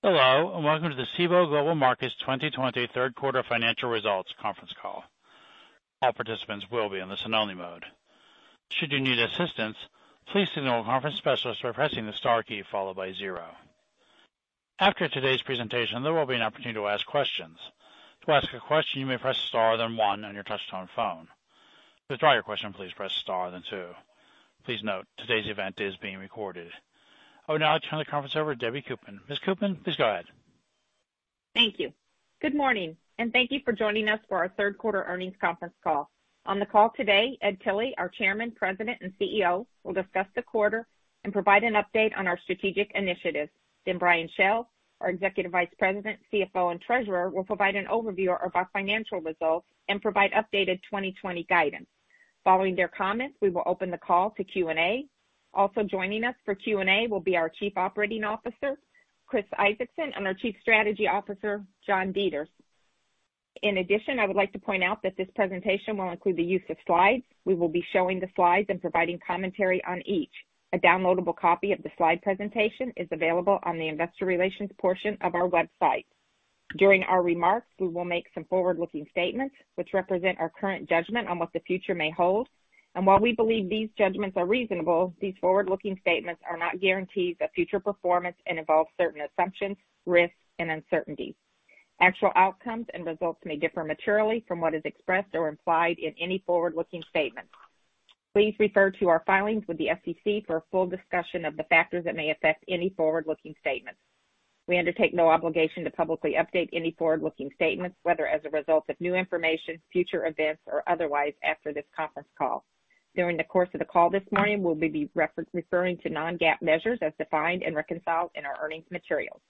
Hello, Welcome to the Cboe Global Markets 2020 third quarter financial results conference call. I would now like to turn the conference over to Debbie Koopman. Ms. Koopman, please go ahead. Thank you. Good morning, and thank you for joining us for our third quarter earnings conference call. On the call today, Ed Tilly, our Chairman, President, and CEO, will discuss the quarter and provide an update on our strategic initiatives. Brian Schell, our Executive Vice President, CFO, and Treasurer, will provide an overview of our financial results and provide updated 2020 guidance. Following their comments, we will open the call to Q&A. Also joining us for Q&A will be our Chief Operating Officer, Chris Isaacson, and our Chief Strategy Officer, John Deters. I would like to point out that this presentation will include the use of slides. We will be showing the slides and providing commentary on each. A downloadable copy of the slide presentation is available on the investor relations portion of our website. During our remarks, we will make some forward-looking statements which represent our current judgment on what the future may hold. While we believe these judgments are reasonable, these forward-looking statements are not guarantees of future performance and involve certain assumptions, risks, and uncertainties. Actual outcomes and results may differ materially from what is expressed or implied in any forward-looking statements. Please refer to our filings with the SEC for a full discussion of the factors that may affect any forward-looking statements. We undertake no obligation to publicly update any forward-looking statements, whether as a result of new information, future events, or otherwise after this conference call. During the course of the call this morning, we'll be referring to non-GAAP measures as defined and reconciled in our earnings materials.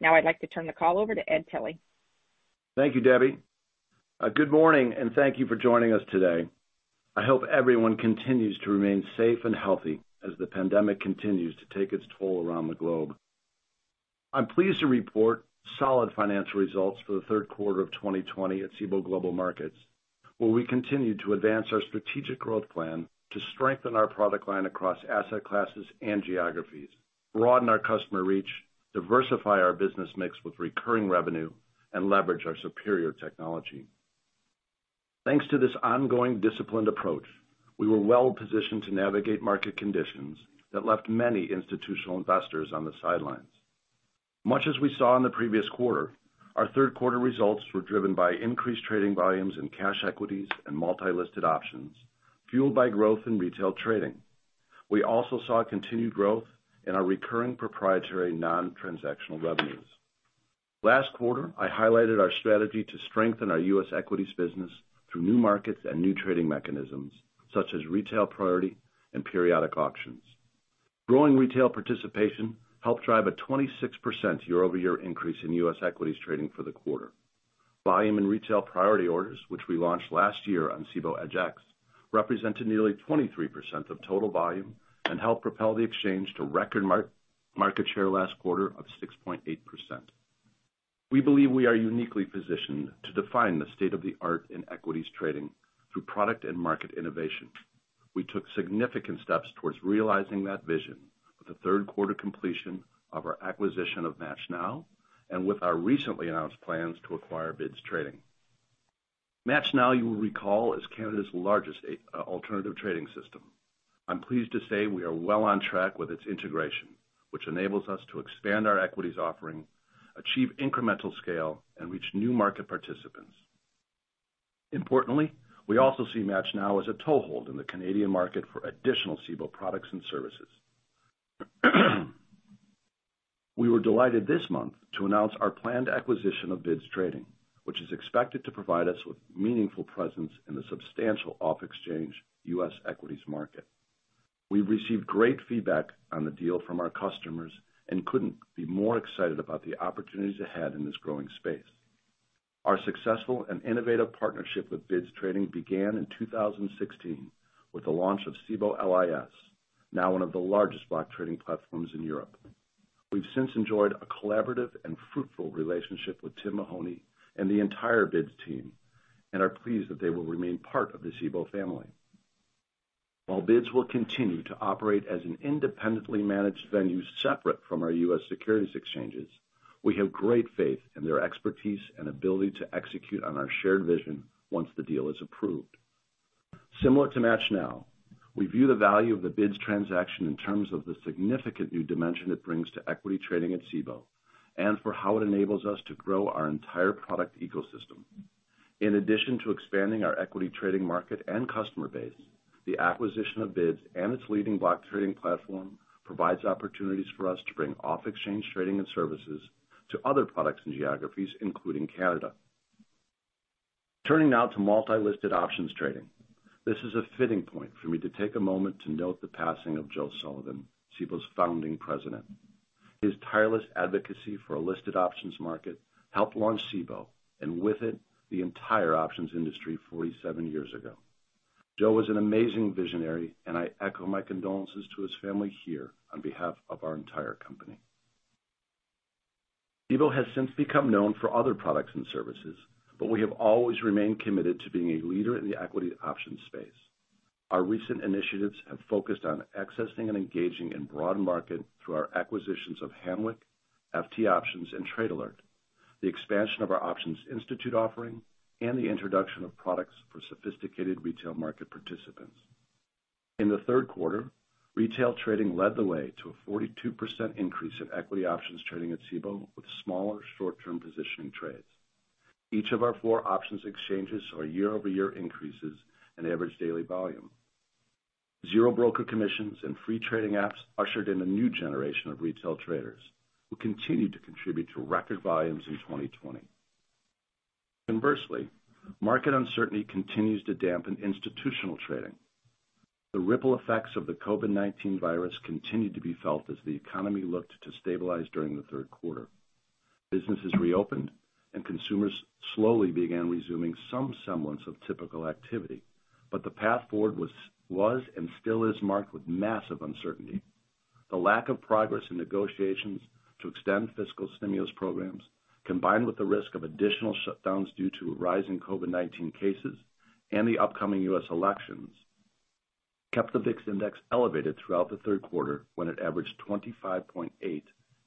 Now I'd like to turn the call over to Ed Tilly. Thank you, Debbie. Good morning, and thank you for joining us today. I hope everyone continues to remain safe and healthy as the pandemic continues to take its toll around the globe. I am pleased to report solid financial results for the third quarter of 2020 at Cboe Global Markets, where we continued to advance our strategic growth plan to strengthen our product line across asset classes and geographies, broaden our customer reach, diversify our business mix with recurring revenue, and leverage our superior technology. Thanks to this ongoing disciplined approach, we were well positioned to navigate market conditions that left many institutional investors on the sidelines. Much as we saw in the previous quarter, our third quarter results were driven by increased trading volumes in cash equities and multi-listed options, fueled by growth in retail trading. We also saw continued growth in our recurring proprietary non-transactional revenues. Last quarter, I highlighted our strategy to strengthen our U.S. equities business through new markets and new trading mechanisms, such as Retail Priority and Periodic Auctions. Growing retail participation helped drive a 26% year-over-year increase in U.S. equities trading for the quarter. Volume in Retail Priority orders, which we launched last year on Cboe EDGX, represented nearly 23% of total volume and helped propel the exchange to record market share last quarter of 6.8%. We believe we are uniquely positioned to define the state of the art in equities trading through product and market innovation. We took significant steps towards realizing that vision with the third quarter completion of our acquisition of MATCHNow and with our recently announced plans to acquire BIDS Trading. MATCHNow, you will recall, is Canada's largest alternative trading system. I'm pleased to say we are well on track with its integration, which enables us to expand our equities offering, achieve incremental scale, and reach new market participants. Importantly, we also see MATCHNow as a toehold in the Canadian market for additional Cboe products and services. We were delighted this month to announce our planned acquisition of BIDS Trading, which is expected to provide us with meaningful presence in the substantial off-exchange U.S. equities market. We've received great feedback on the deal from our customers and couldn't be more excited about the opportunities ahead in this growing space. Our successful and innovative partnership with BIDS Trading began in 2016 with the launch of Cboe LIS, now one of the largest block trading platforms in Europe. We've since enjoyed a collaborative and fruitful relationship with Tim Mahoney and the entire BIDS team and are pleased that they will remain part of the Cboe family. While BIDS will continue to operate as an independently managed venue separate from our U.S. securities exchanges, we have great faith in their expertise and ability to execute on our shared vision once the deal is approved. Similar to MATCHNow, we view the value of the BIDS transaction in terms of the significant new dimension it brings to equity trading at Cboe and for how it enables us to grow our entire product ecosystem. In addition to expanding our equity trading market and customer base, the acquisition of BIDS and its leading block trading platform provides opportunities for us to bring off-exchange trading and services to other products and geographies, including Canada. Turning now to multi-listed options trading. This is a fitting point for me to take a moment to note the passing of Joe Sullivan, Cboe's founding president. His tireless advocacy for a listed options market helped launch Cboe, and with it, the entire options industry 47 years ago. Joe was an amazing visionary, and I echo my condolences to his family here on behalf of our entire company. Cboe has since become known for other products and services, but we have always remained committed to being a leader in the equity options space. Our recent initiatives have focused on accessing and engaging in broad market through our acquisitions of Hanweck, FT Options, and Trade Alert, the expansion of our Options Institute offering, and the introduction of products for sophisticated retail market participants. In the third quarter, retail trading led the way to a 42% increase in equity options trading at Cboe with smaller short-term positioning trades. Each of our four options exchanges saw year-over-year increases in average daily volume. Zero broker commissions and free trading apps ushered in a new generation of retail traders who continue to contribute to record volumes in 2020. Inversely, market uncertainty continues to dampen institutional trading. The ripple effects of the COVID-19 virus continued to be felt as the economy looked to stabilize during the third quarter. Businesses reopened and consumers slowly began resuming some semblance of typical activity. The path forward was and still is marked with massive uncertainty. The lack of progress in negotiations to extend fiscal stimulus programs, combined with the risk of additional shutdowns due to a rise in COVID-19 cases and the upcoming U.S. elections, kept the VIX Index elevated throughout the third quarter when it averaged 25.8, eight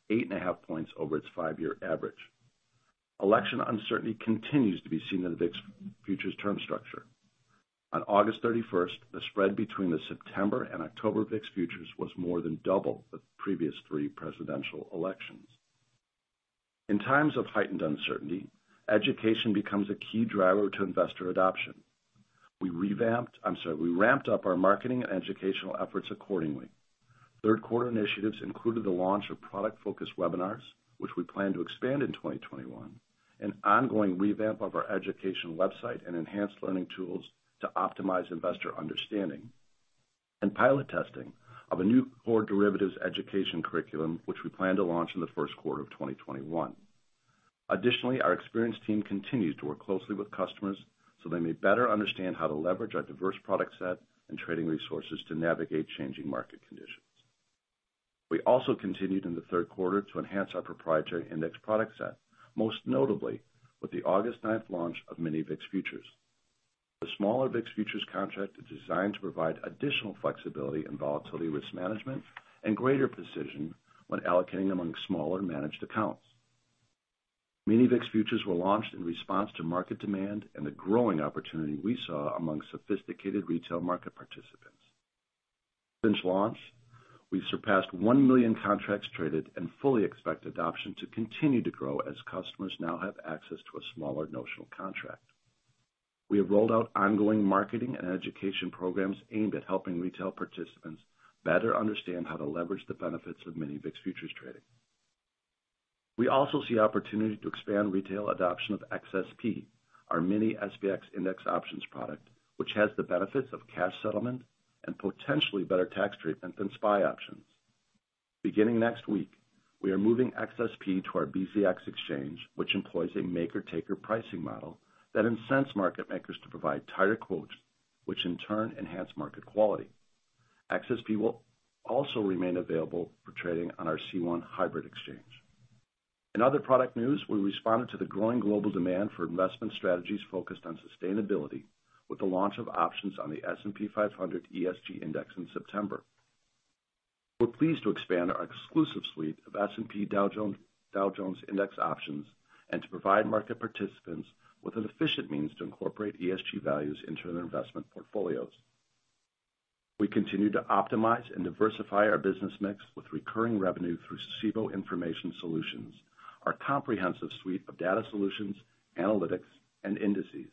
and a half points over its five-year average. Election uncertainty continues to be seen in the VIX futures term structure. On August 31st, the spread between the September and October VIX futures was more than double the previous three presidential elections. In times of heightened uncertainty, education becomes a key driver to investor adoption. We ramped up our marketing and educational efforts accordingly. Third quarter initiatives included the launch of product-focused webinars, which we plan to expand in 2021, an ongoing revamp of our education website and enhanced learning tools to optimize investor understanding, and pilot testing of a new core derivatives education curriculum, which we plan to launch in the first quarter of 2021. Our experienced team continues to work closely with customers so they may better understand how to leverage our diverse product set and trading resources to navigate changing market conditions. We also continued in the third quarter to enhance our proprietary index product set, most notably with the August 9th launch of Mini VIX futures. The smaller VIX futures contract is designed to provide additional flexibility and volatility risk management and greater precision when allocating among smaller managed accounts. Mini VIX futures were launched in response to market demand and the growing opportunity we saw among sophisticated retail market participants. Since launch, we've surpassed 1 million contracts traded and fully expect adoption to continue to grow as customers now have access to a smaller notional contract. We have rolled out ongoing marketing and education programs aimed at helping retail participants better understand how to leverage the benefits of Mini VIX futures trading. We also see opportunity to expand retail adoption of XSP, our Mini-SPX index options product, which has the benefits of cash settlement and potentially better tax treatment than SPY options. Beginning next week, we are moving XSP to our BZX exchange, which employs a maker-taker pricing model that incents market makers to provide tighter quotes, which in turn enhance market quality. XSP will also remain available for trading on our C1 hybrid exchange. In other product news, we responded to the growing global demand for investment strategies focused on sustainability with the launch of options on the S&P 500 ESG Index in September. We're pleased to expand our exclusive suite of S&P Dow Jones Indices options and to provide market participants with an efficient means to incorporate ESG values into their investment portfolios. We continue to optimize and diversify our business mix with recurring revenue through Cboe Information Solutions, our comprehensive suite of data solutions, analytics, and indices.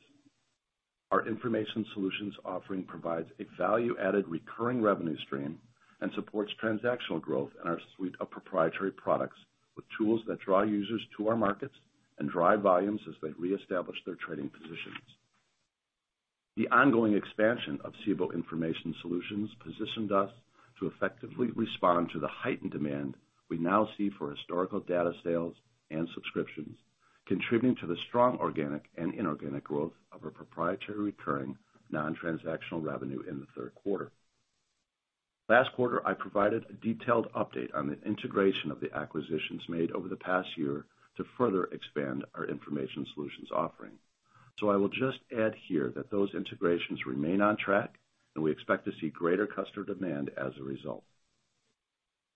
Our Information Solutions offering provides a value-added recurring revenue stream and supports transactional growth in our suite of proprietary products with tools that draw users to our markets and drive volumes as they reestablish their trading positions. The ongoing expansion of Cboe Information Solutions positioned us to effectively respond to the heightened demand we now see for historical data sales and subscriptions, contributing to the strong organic and inorganic growth of our proprietary recurring non-transactional revenue in the third quarter. Last quarter, I provided a detailed update on the integration of the acquisitions made over the past year to further expand our Information Solutions offering. I will just add here that those integrations remain on track, and we expect to see greater customer demand as a result.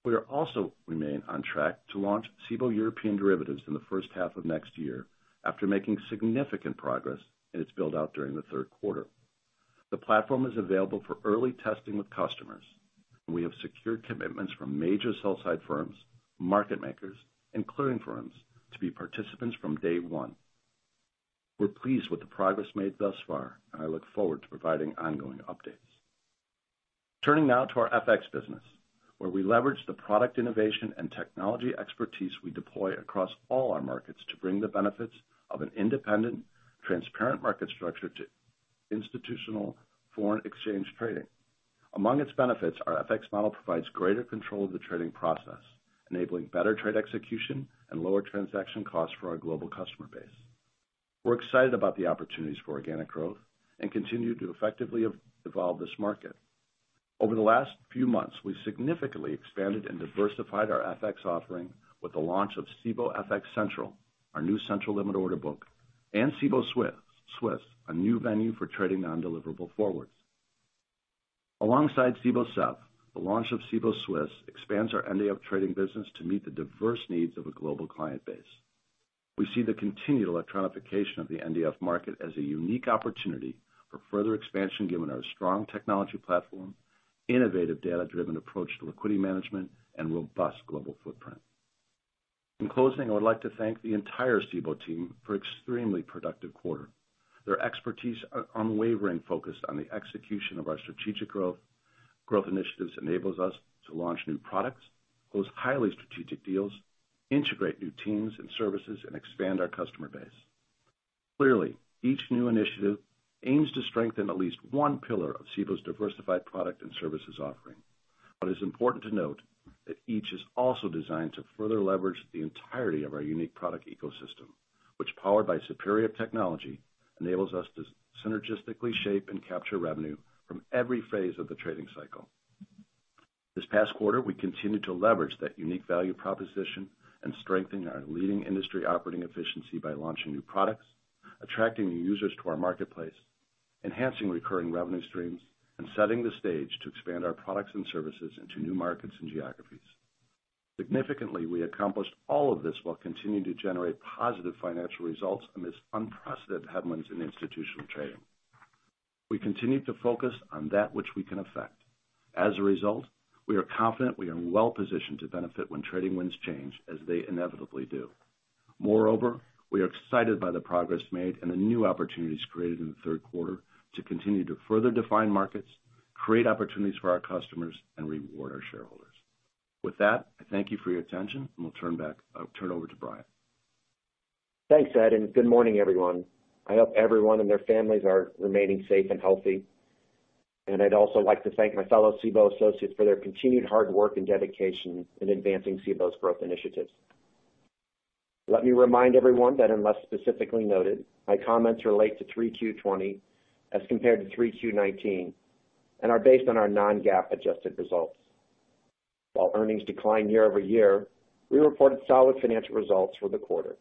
We also remain on track to launch Cboe Europe Derivatives in the first half of next year after making significant progress in its build-out during the third quarter. The platform is available for early testing with customers, and we have secured commitments from major sell side firms, market makers, and clearing firms to be participants from day one. We're pleased with the progress made thus far, and I look forward to providing ongoing updates. Turning now to our FX business, where we leverage the product innovation and technology expertise we deploy across all our markets to bring the benefits of an independent, transparent market structure to institutional foreign exchange trading. Among its benefits, our FX model provides greater control of the trading process, enabling better trade execution and lower transaction costs for our global customer base. We're excited about the opportunities for organic growth and continue to effectively evolve this market. Over the last few months, we've significantly expanded and diversified our FX offering with the launch of Cboe FX Central, our new central limit order book, and Cboe SEF, a new venue for trading non-deliverable forwards. Alongside Cboe SEF, the launch of Cboe SEF expands our NDF trading business to meet the diverse needs of a global client base. We see the continued electronification of the NDF market as a unique opportunity for further expansion given our strong technology platform, innovative data-driven approach to liquidity management, and robust global footprint. In closing, I would like to thank the entire Cboe team for extremely productive quarter. Their expertise, unwavering focus on the execution of our strategic growth initiatives enables us to launch new products, close highly strategic deals, integrate new teams and services, and expand our customer base. Clearly, each new initiative aims to strengthen at least one pillar of Cboe's diversified product and services offering. It's important to note that each is also designed to further leverage the entirety of our unique product ecosystem, which powered by superior technology, enables us to synergistically shape and capture revenue from every phase of the trading cycle. This past quarter, we continued to leverage that unique value proposition and strengthen our leading industry operating efficiency by launching new products, attracting new users to our marketplace, enhancing recurring revenue streams, and setting the stage to expand our products and services into new markets and geographies. Significantly, we accomplished all of this while continuing to generate positive financial results amidst unprecedented headwinds in institutional trading. We continue to focus on that which we can affect. As a result, we are confident we are well-positioned to benefit when trading winds change as they inevitably do. We are excited by the progress made and the new opportunities created in the third quarter to continue to further define markets, create opportunities for our customers, and reward our shareholders. With that, thank you for your attention, and I'll turn over to Brian. Thanks, Ed. Good morning, everyone. I hope everyone and their families are remaining safe and healthy. I'd also like to thank my fellow Cboe associates for their continued hard work and dedication in advancing Cboe's growth initiatives. Let me remind everyone that unless specifically noted, my comments relate to 3Q 2020 as compared to 3Q 2019 and are based on our non-GAAP adjusted results. While earnings declined year-over-year, we reported solid financial results for the quarter.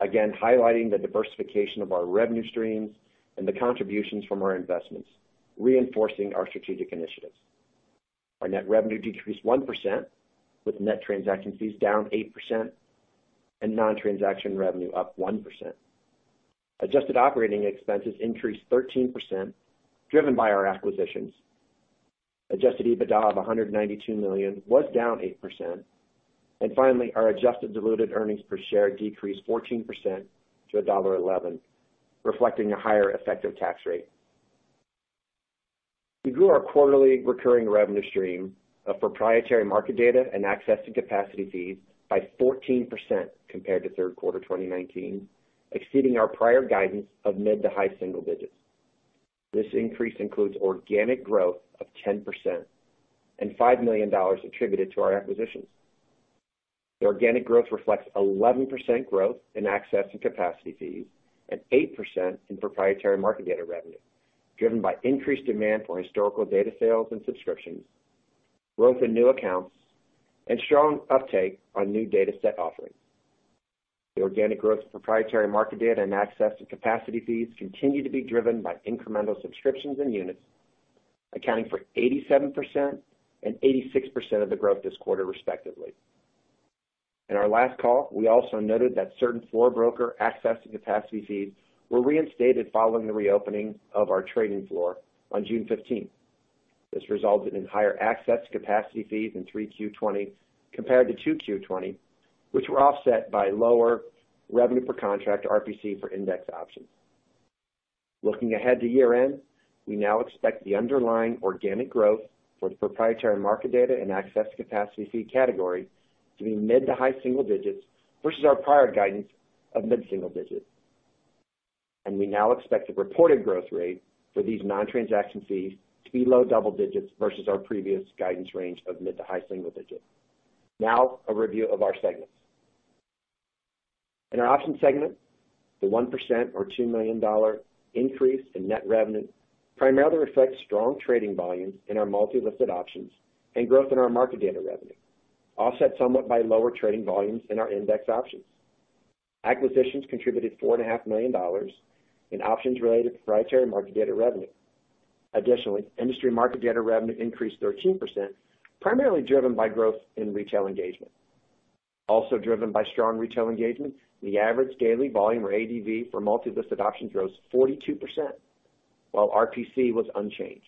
Again, highlighting the diversification of our revenue streams and the contributions from our investments, reinforcing our strategic initiatives. Our net revenue decreased 1%, with net transaction fees down 8% and non-transaction revenue up 1%. Adjusted operating expenses increased 13%, driven by our acquisitions. Adjusted EBITDA of $192 million was down 8%. Finally, our adjusted diluted earnings per share decreased 14% to $1.11, reflecting a higher effective tax rate. We grew our quarterly recurring revenue stream of proprietary market data and access to capacity fees by 14% compared to third quarter 2019, exceeding our prior guidance of mid to high single digits. This increase includes organic growth of 10% and $5 million attributed to our acquisitions. The organic growth reflects 11% growth in access and capacity fees and 8% in proprietary market data revenue, driven by increased demand for historical data sales and subscriptions, growth in new accounts, and strong uptake on new dataset offerings. The organic growth proprietary market data and access to capacity fees continue to be driven by incremental subscriptions and units, accounting for 87% and 86% of the growth this quarter respectively. In our last call, we also noted that certain floor broker access to capacity fees were reinstated following the reopening of our trading floor on June 15th. This resulted in higher access to capacity fees in 3Q 2020 compared to 2Q 2020, which were offset by lower revenue per contract, RPC, for index options. Looking ahead to year-end, we now expect the underlying organic growth for the proprietary market data and access to capacity fee category to be mid to high single digits versus our prior guidance of mid-single digits. We now expect the reported growth rate for these non-transaction fees to be low double digits versus our previous guidance range of mid to high single digits. Now, a review of our segments. In our options segment, the 1% or $2 million increase in net revenue primarily reflects strong trading volumes in our multi-listed options and growth in our market data revenue, offset somewhat by lower trading volumes in our index options. Acquisitions contributed $4.5 million in options-related proprietary market data revenue. Industry market data revenue increased 13%, primarily driven by growth in retail engagement. Driven by strong retail engagement, the average daily volume or ADV for multi-listed options rose 42%, while RPC was unchanged.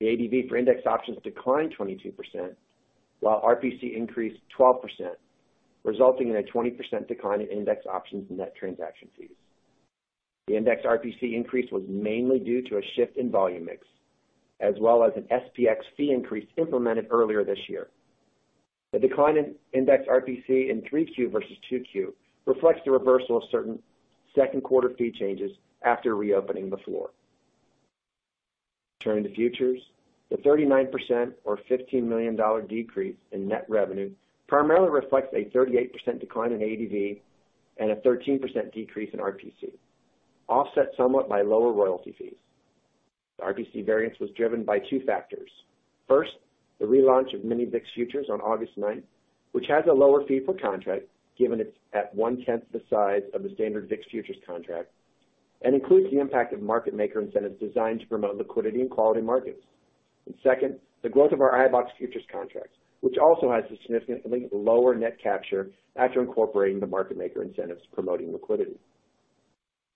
The ADV for index options declined 22%, while RPC increased 12%, resulting in a 20% decline in index options net transaction fees. The index RPC increase was mainly due to a shift in volume mix, as well as an SPX fee increase implemented earlier this year. The decline in index RPC in 3Q versus 2Q reflects the reversal of certain second quarter fee changes after reopening the floor. Turning to futures, the 39% or $15 million decrease in net revenue primarily reflects a 38% decline in ADV and a 13% decrease in RPC, offset somewhat by lower royalty fees. The RPC variance was driven by two factors. 1st, the relaunch of Mini VIX futures on August 9th, which has a lower fee per contract given it's at 1/10th the size of a standard VIX futures contract, and includes the impact of market maker incentives designed to promote liquidity and quality markets. 2nd, the growth of our iBoxx futures contracts, which also has a significantly lower net capture after incorporating the market maker incentives promoting liquidity.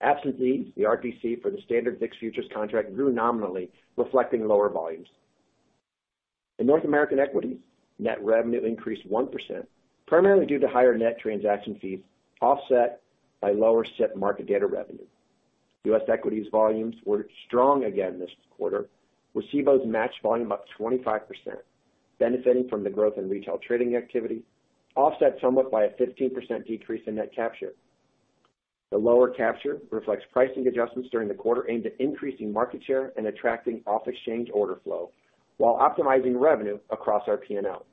Absent fees, the RPC for the standard VIX futures contract grew nominally, reflecting lower volumes. In North American equities, net revenue increased 1%, primarily due to higher net transaction fees offset by lower SIP market data revenue. U.S. equities volumes were strong again this quarter, with Cboe's matched volume up 25%, benefiting from the growth in retail trading activity, offset somewhat by a 15% decrease in net capture. The lower capture reflects pricing adjustments during the quarter aimed at increasing market share and attracting off-exchange order flow while optimizing revenue across our P&L.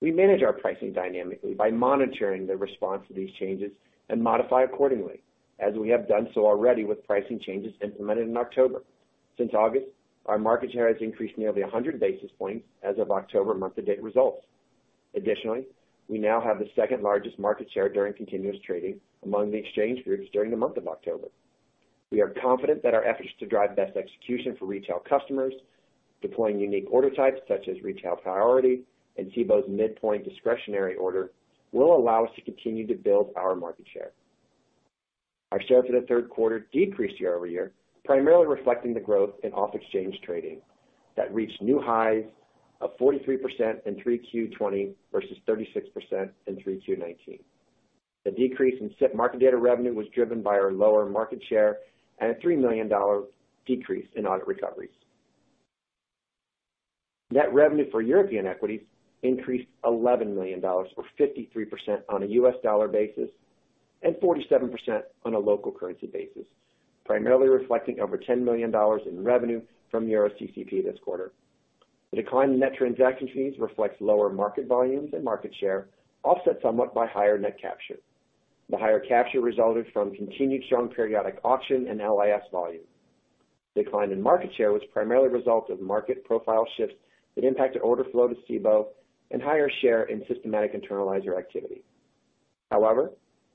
We manage our pricing dynamically by monitoring the response to these changes and modify accordingly, as we have done so already with pricing changes implemented in October. Since August, our market share has increased nearly 100 basis points as of October month-to-date results. Additionally, we now have the 2nd largest market share during continuous trading among the exchange groups during the month of October. We are confident that our efforts to drive best execution for retail customers, deploying unique order types such as Retail Priority and Cboe's Midpoint Discretionary Order will allow us to continue to build our market share. Our share for the third quarter decreased year-over-year, primarily reflecting the growth in off-exchange trading that reached new highs of 43% in 3Q 2020 versus 36% in 3Q 2019. The decrease in SIP market data revenue was driven by our lower market share and a $3 million decrease in audit recoveries. Net revenue for European equities increased $11 million, or 53% on a U.S. dollar basis and 47% on a local currency basis, primarily reflecting over $10 million in revenue from EuroCCP this quarter. The decline in net transaction fees reflects lower market volumes and market share, offset somewhat by higher net capture. The higher capture resulted from continued strong Periodic Auctions and Cboe LIS volume. Decline in market share was primarily a result of market profile shifts that impacted order flow to Cboe and higher share in systematic internaliser activity.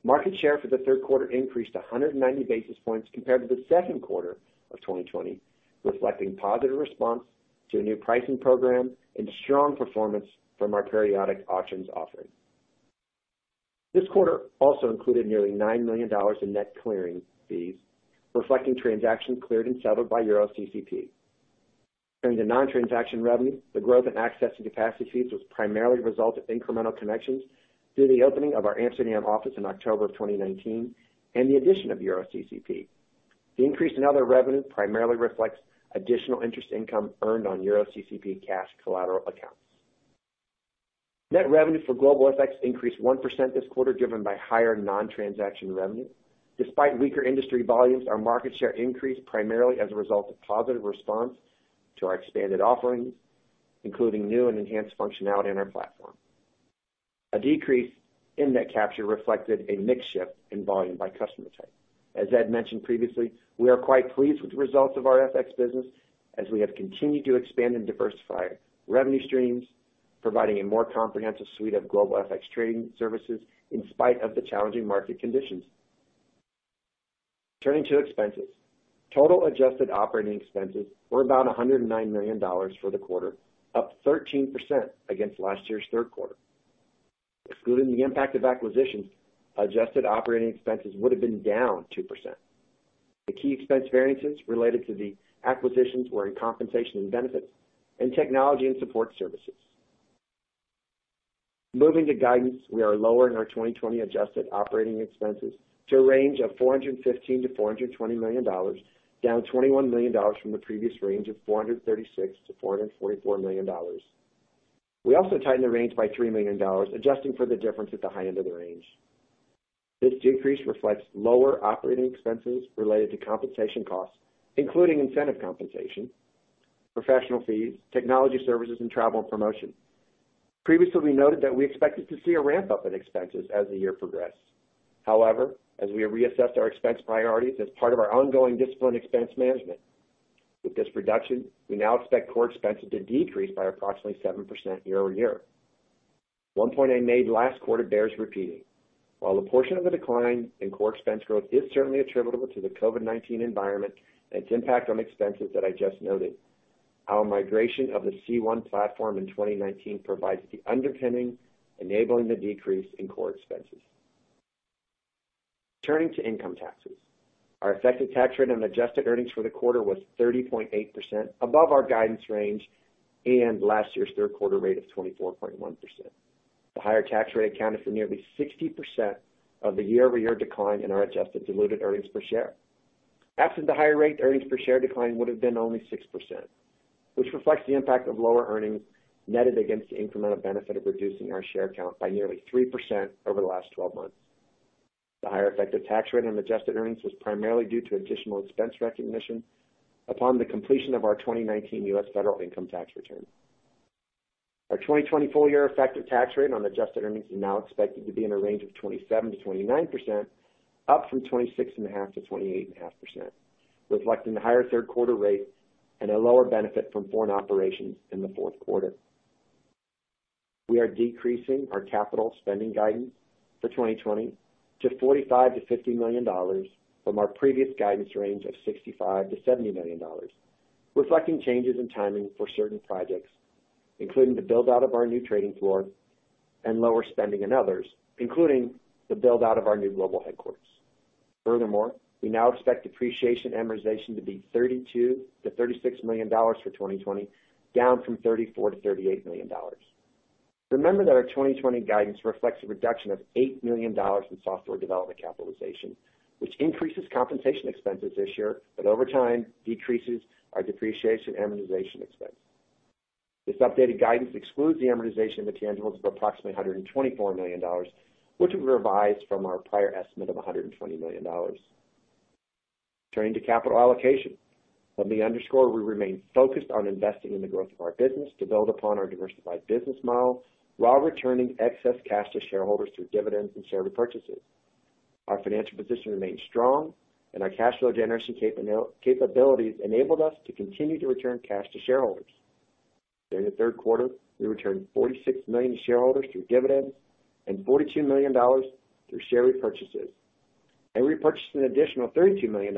Market share for the third quarter increased 190 basis points compared to the second quarter of 2020, reflecting positive response to a new pricing program and strong performance from our Periodic Auctions offering. This quarter also included nearly $9 million in net clearing fees, reflecting transactions cleared and settled by EuroCCP. Turning to non-transaction revenue, the growth in access and capacity fees was primarily a result of incremental connections through the opening of our Amsterdam office in October of 2019 and the addition of EuroCCP. The increase in other revenue primarily reflects additional interest income earned on EuroCCP cash collateral accounts. Net revenue for Cboe FX increased 1% this quarter, driven by higher non-transaction revenue. Despite weaker industry volumes, our market share increased primarily as a result of positive response to our expanded offerings, including new and enhanced functionality in our platform. A decrease in net capture reflected a mix shift in volume by customer type. As Ed mentioned previously, we are quite pleased with the results of our FX business as we have continued to expand and diversify revenue streams, providing a more comprehensive suite of global FX trading services in spite of the challenging market conditions. Turning to expenses. Total adjusted operating expenses were about $109 million for the quarter, up 13% against last year's third quarter. Excluding the impact of acquisitions, adjusted operating expenses would've been down 2%. The key expense variances related to the acquisitions were in compensation and benefits and technology and support services. Moving to guidance, we are lowering our 2020 adjusted operating expenses to a range of $415 million-$420 million, down $21 million from the previous range of $436 million-$444 million. We also tightened the range by $3 million, adjusting for the difference at the high end of the range. This decrease reflects lower operating expenses related to compensation costs, including incentive compensation, professional fees, technology services, and travel and promotion. Previously noted that we expected to see a ramp-up in expenses as the year progressed. However, as we have reassessed our expense priorities as part of our ongoing disciplined expense management, with this reduction, we now expect core expenses to decrease by approximately 7% year-over-year. One point I made last quarter bears repeating. While a portion of the decline in core expense growth is certainly attributable to the COVID-19 environment and its impact on expenses that I just noted, our migration of the C1 platform in 2019 provides the underpinning enabling the decrease in core expenses. Turning to income taxes. Our effective tax rate on adjusted earnings for the quarter was 30.8%, above our guidance range and last year's third quarter rate of 24.1%. The higher tax rate accounted for nearly 60% of the year-over-year decline in our adjusted diluted earnings per share. Absent the higher rate, earnings per share decline would've been only 6%, which reflects the impact of lower earnings netted against the incremental benefit of reducing our share count by nearly 3% over the last 12 months. The higher effective tax rate on adjusted earnings was primarily due to additional expense recognition upon the completion of our 2019 U.S. federal income tax return. Our 2020 full-year effective tax rate on adjusted earnings is now expected to be in the range of 27%-29%, up from 26.5%-28.5%, reflecting the higher third quarter rate and a lower benefit from foreign operations in the fourth quarter. We are decreasing our capital spending guidance for 2020 to $45 million-$50 million from our previous guidance range of $65 million-$70 million, reflecting changes in timing for certain projects, including the build-out of our new trading floor and lower spending in others, including the build-out of our new global headquarters. Furthermore, we now expect depreciation and amortization to be $32 million-$36 million for 2020, down from $34 million-$38 million. Remember that our 2020 guidance reflects a reduction of $8 million in software development capitalization, which increases compensation expenses this year, but over time, decreases our depreciation and amortization expense. This updated guidance excludes the amortization intangibles of approximately $124 million, which we revised from our prior estimate of $120 million. Turning to capital allocation. Let me underscore, we remain focused on investing in the growth of our business to build upon our diversified business model while returning excess cash to shareholders through dividends and share repurchases. Our financial position remains strong, and our cash flow generation capabilities enabled us to continue to return cash to shareholders. During the third quarter, we returned $46 million to shareholders through dividends and $42 million through share repurchases, and repurchased an additional $32 million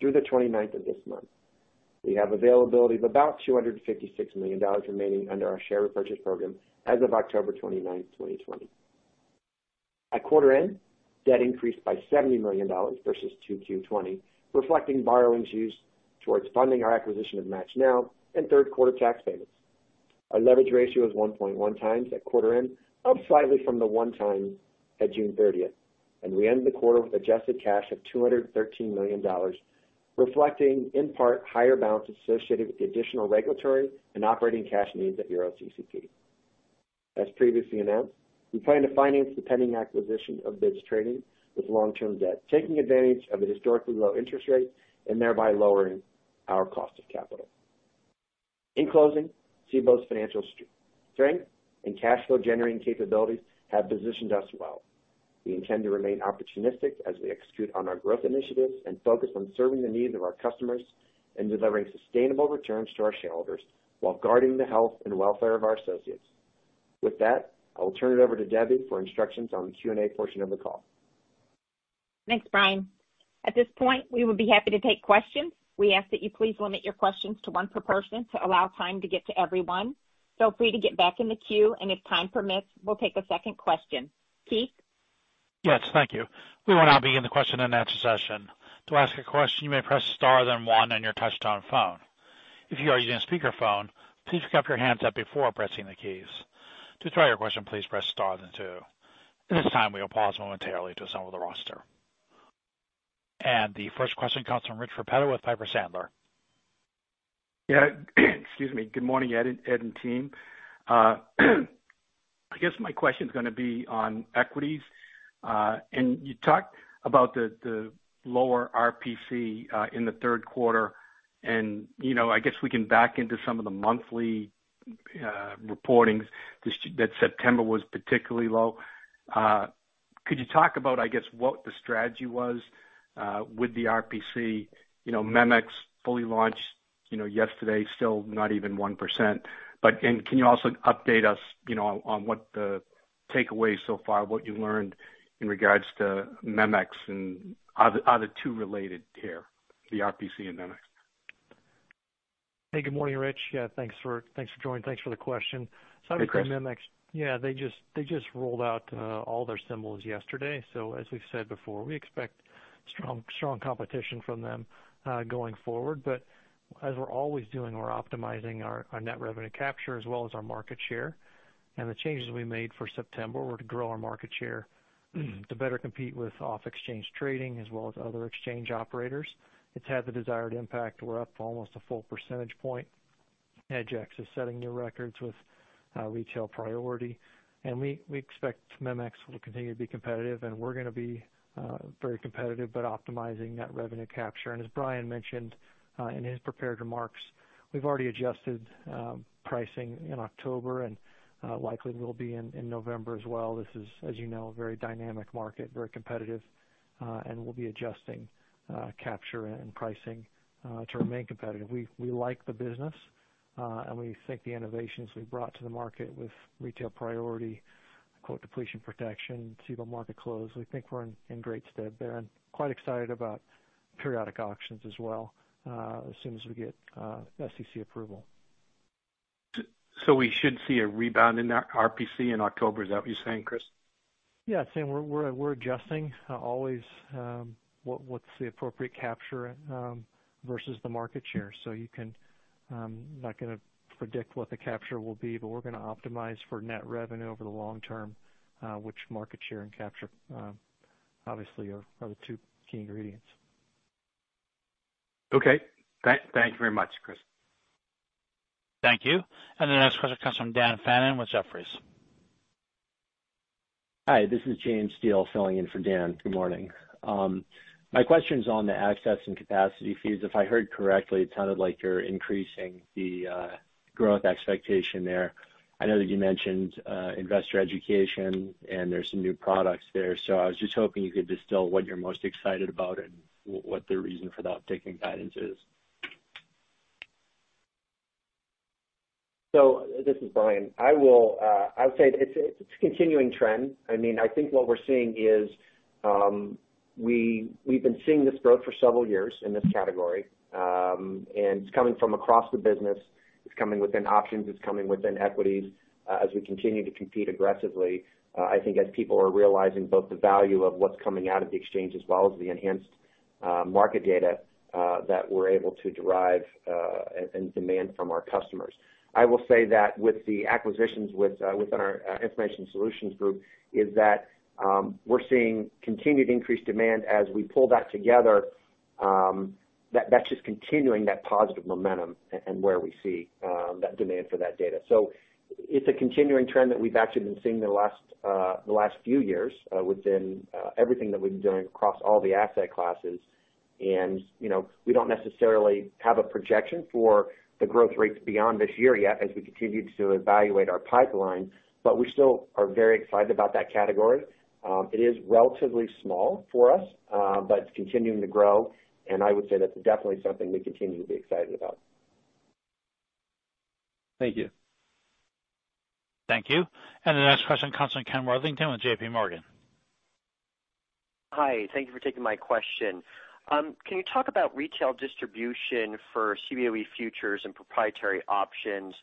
through the 29th of this month. We have availability of about $256 million remaining under our share repurchase program as of October 29th, 2020. At quarter end, debt increased by $70 million versus 2Q20, reflecting borrowings used towards funding our acquisition of MATCHNow and third quarter tax payments. Our leverage ratio is 1.1x at quarter end, up slightly from the one time at June 30th. We end the quarter with adjusted cash of $213 million, reflecting in part higher balances associated with the additional regulatory and operating cash needs at EuroCCP. As previously announced, we plan to finance the pending acquisition of BIDS Trading with long-term debt, taking advantage of the historically low interest rate, thereby lowering our cost of capital. In closing, Cboe's financial strength and cash flow generating capabilities have positioned us well. We intend to remain opportunistic as we execute on our growth initiatives and focus on serving the needs of our customers and delivering sustainable returns to our shareholders while guarding the health and welfare of our associates. With that, I will turn it over to Debbie for instructions on the Q&A portion of the call. Thanks, Brian. At this point, we would be happy to take questions. We ask that you please limit your questions to one per person to allow time to get to everyone. Feel free to get back in the queue, and if time permits, we'll take a 2nd question. Keith? Yes, thank you. We will now begin the question and answer session. To ask a question, you may press star then one on your touch-tone phone. If you are using a speakerphone, please pick up your handset before pressing the keys. To withdraw your question, please press star then two. At this time, we will pause momentarily to assemble the roster. The 1st question comes from Rich Repetto with Piper Sandler. Yeah. Excuse me. Good morning, Ed and team. I guess my question's gonna be on equities. You talked about the lower RPC in the third quarter and I guess we can back into some of the monthly reporting that September was particularly low. Could you talk about, I guess, what the strategy was with the RPC? MEMX fully launched yesterday, still not even 1%. Can you also update us on what the takeaway so far, what you learned in regards to MEMX and are the two related here, the RPC and MEMX? Hey, good morning, Rich. Yeah, thanks for joining. Thanks for the question. I would say MEMX. Hey, Chris. Yeah, they just rolled out all their symbols yesterday. As we've said before, we expect strong competition from them going forward. As we're always doing, we're optimizing our net revenue capture as well as our market share. The changes we made for September were to grow our market share to better compete with off-exchange trading as well as other exchange operators. It's had the desired impact we're up almost a full percentage point. EDGX is setting new records with Retail Priority, and we expect MEMX will continue to be competitive, and we're going to be very competitive, but optimizing that revenue capture. As Brian mentioned in his prepared remarks, we've already adjusted pricing in October and likely will be in November as well. This is, as you know, a very dynamic market, very competitive. We'll be adjusting capture and pricing to remain competitive. We like the business, and we think the innovations we've brought to the market with Retail Priority, Quote Depletion Protection, Cboe Market Close, we think we're in great stead there and quite excited about Periodic Auctions as well, as soon as we get SEC approval. We should see a rebound in that RPC in October. Is that what you're saying, Chris? Yeah. I'm saying we're adjusting always what's the appropriate capture versus the market share. I'm not gonna predict what the capture will be, but we're gonna optimize for net revenue over the long term, which market share and capture, obviously are the two key ingredients. Okay. Thank you very much, Chris. Thank you. The next question comes from Dan Fannon with Jefferies. Hi, this is James Steele filling in for Dan. Good morning. My question's on the access and capacity fees. If I heard correctly, it sounded like you're increasing the growth expectation there. I know that you mentioned investor education and there's some new products there. I was just hoping you could distill what you're most excited about and what the reason for that taking guidance is? This is Brian. I would say it's a continuing trend. I think what we're seeing is, we've been seeing this growth for several years in this category, and it's coming from across the business. It's coming within options. It's coming within equities. As we continue to compete aggressively, I think as people are realizing both the value of what's coming out of the exchange as well as the enhanced market data that we're able to derive and demand from our customers. I will say that with the acquisitions within our Information Solutions Group is that we're seeing continued increased demand as we pull that together. That's just continuing that positive momentum and where we see that demand for that data. It's a continuing trend that we've actually been seeing the last few years within everything that we've been doing across all the asset classes. We don't necessarily have a projection for the growth rates beyond this year yet as we continue to evaluate our pipeline, but we still are very excited about that category. It is relatively small for us, but it's continuing to grow and I would say that's definitely something we continue to be excited about. Thank you. Thank you. The next question comes from Ken Worthington with JPMorgan. Hi. Thank you for taking my question. Can you talk about retail distribution for Cboe futures and proprietary options?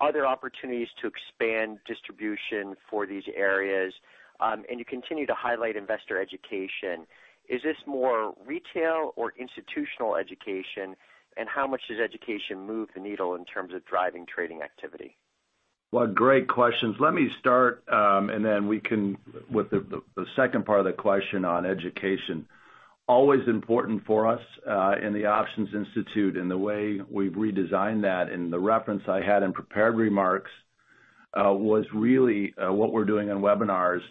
Are there opportunities to expand distribution for these areas? You continue to highlight investor education. Is this more retail or institutional education, and how much does education move the needle in terms of driving trading activity? Well, great questions. Let me start, and then we can with the 2nd part of the question on education. Always important for us, in The Options Institute and the way we've redesigned that and the reference I had in prepared remarks, was really what we're doing on webinars.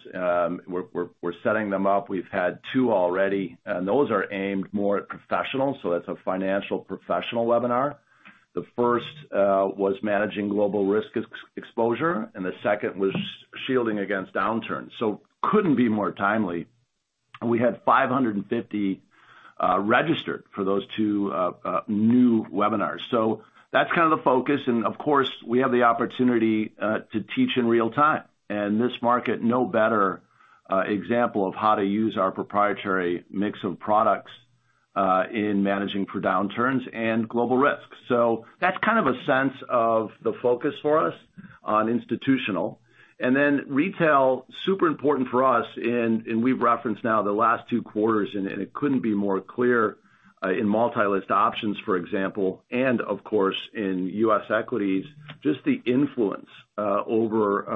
We're setting them up. We've had two already, and those are aimed more at professionals, so that's a financial professional webinar. The 1st was managing global risk exposure, and the 2nd was shielding against downturns. Couldn't be more timely. We had 550 registered for those two new webinars. That's kind of the focus. Of course, we have the opportunity to teach in real time. This market, no better example of how to use our proprietary mix of products in managing for downturns and global risks. That's kind of a sense of the focus for us on institutional. Retail, super important for us in, and we've referenced now the last two quarters, and it couldn't be more clear, in multi-list options, for example, and of course, in U.S. equities, just the influence over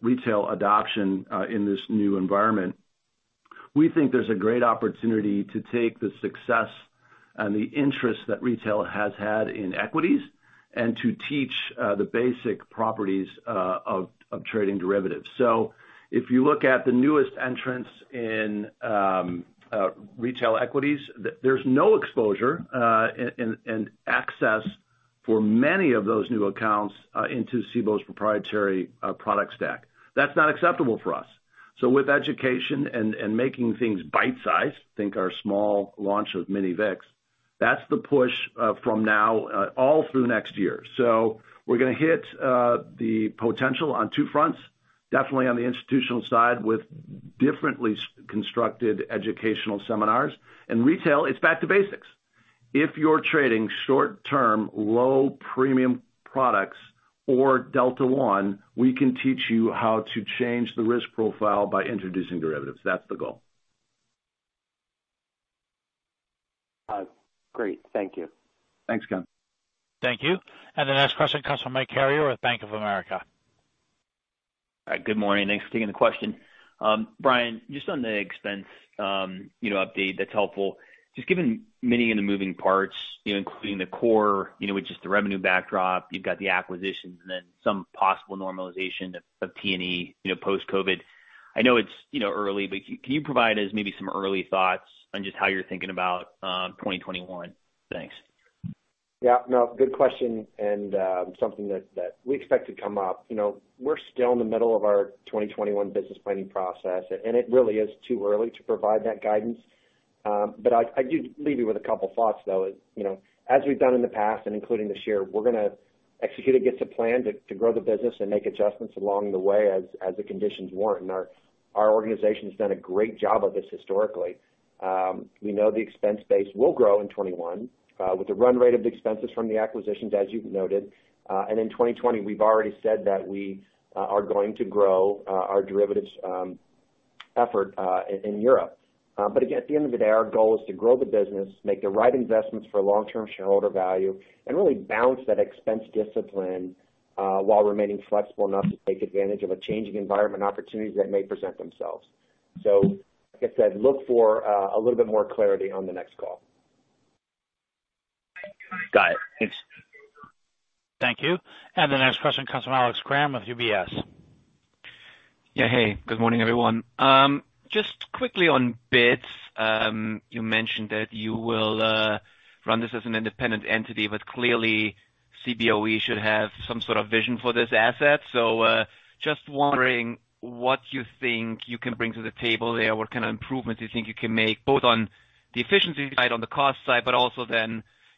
retail adoption in this new environment. We think there's a great opportunity to take the success and the interest that retail has had in equities and to teach the basic properties of trading derivatives. If you look at the newest entrants in retail equities, there's no exposure and access for many of those new accounts into Cboe's proprietary product stack. That's not acceptable for us. With education and making things bite-sized, think our small launch of Mini VIX, that's the push from now all through next year. We're going to hit the potential on two fronts, definitely on the institutional side with differently constructed educational seminars. In retail, it's back to basics. If you're trading short-term, low-premium products or Delta One, we can teach you how to change the risk profile by introducing derivatives. That's the goal. Great. Thank you. Thanks, Ken. Thank you. The next question comes from Mike Carrier with Bank of America. Good morning. Thanks for taking the question. Brian, just on the expense update, that's helpful. Just given many of the moving parts, including the core, which is the revenue backdrop, you've got the acquisitions and then some possible normalization of T&E, post-COVID-19. I know it's early, but can you provide us maybe some early thoughts on just how you're thinking about 2021? Thanks. Yeah, no, good question and something that we expect to come up. We're still in the middle of our 2021 business planning process, and it really is too early to provide that guidance. I do leave you with a couple thoughts, though. As we've done in the past and including this year, we're going to execute against a plan to grow the business and make adjustments along the way as the conditions warrant. Our organization's done a great job of this historically. We know the expense base will grow in 2021 with the run rate of the expenses from the acquisitions, as you've noted. In 2020, we've already said that we are going to grow our derivatives effort in Europe. Again, at the end of the day, our goal is to grow the business, make the right investments for long-term shareholder value, and really balance that expense discipline while remaining flexible enough to take advantage of a changing environment and opportunities that may present themselves. Like I said, look for a little bit more clarity on the next call. Got it. Thanks. Thank you. The next question comes from Alex Kramm of UBS. Yeah, hey, good morning, everyone. Just quickly on BIDS. You mentioned that you will run this as an independent entity, clearly Cboe should have some sort of vision for this asset. Just wondering what you think you can bring to the table there, what kind of improvements you think you can make, both on the efficiency side, on the cost side, also,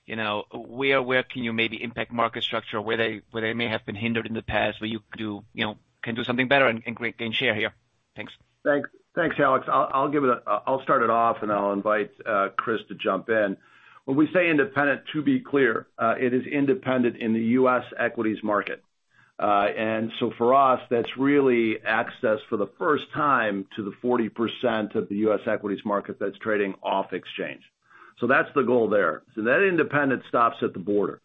where can you maybe impact market structure, where they may have been hindered in the past, where you can do something better and gain share here? Thanks. Thanks, Alex. I'll start it off. I'll invite Chris to jump in. When we say independent, to be clear, it is independent in the U.S. equities market. For us, that's really access for the first time to the 40% of the U.S. equities market that's trading off exchange. That's the goal there. That independence stops at the border.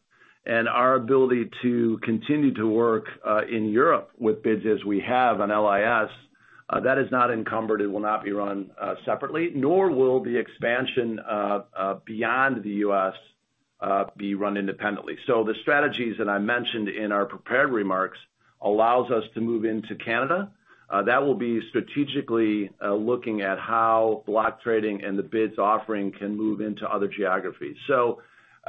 Our ability to continue to work in Europe with BIDS as we have on LIS, that is not encumbered. It will not be run separately, nor will the expansion beyond the U.S. be run independently. The strategies that I mentioned in our prepared remarks allows us to move into Canada. That will be strategically looking at how block trading and the BIDS offering can move into other geographies.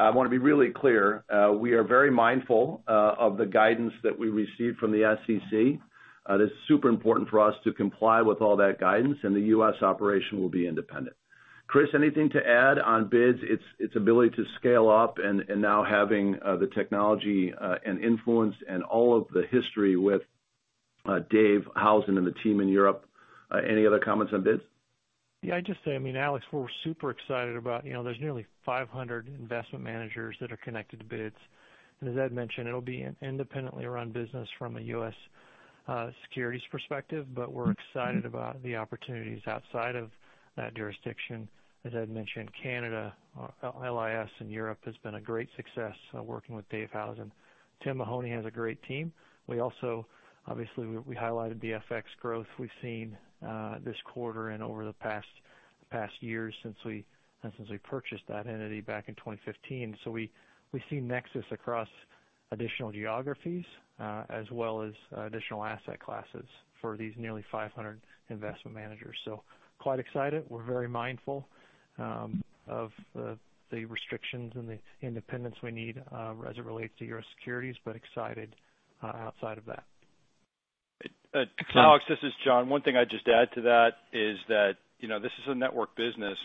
I want to be really clear. We are very mindful of the guidance that we received from the SEC. That's super important for us to comply with all that guidance. The U.S. operation will be independent. Chris, anything to add on BIDS, its ability to scale up and now having the technology and influence and all of the history with Dave Howson and the team in Europe? Any other comments on BIDS? Yeah, I'd just say, Alex, we're super excited about There's nearly 500 investment managers that are connected to BIDS. As Ed mentioned, it'll be an independently run business from a U.S. securities perspective, but we're excited about the opportunities outside of that jurisdiction. As Ed mentioned, Canada, LIS, and Europe has been a great success working with Dave Howson. Tim Mahoney has a great team. Obviously, we highlighted the FX growth we've seen this quarter and over the past years since we purchased that entity back in 2015. We see nexus across additional geographies as well as additional asset classes for these nearly 500 investment managers. Quite excited. We're very mindful of the restrictions and the independence we need as it relates to Euro securities, but excited outside of that. Alex, this is John. One thing I'd just add to that is that this is a network business.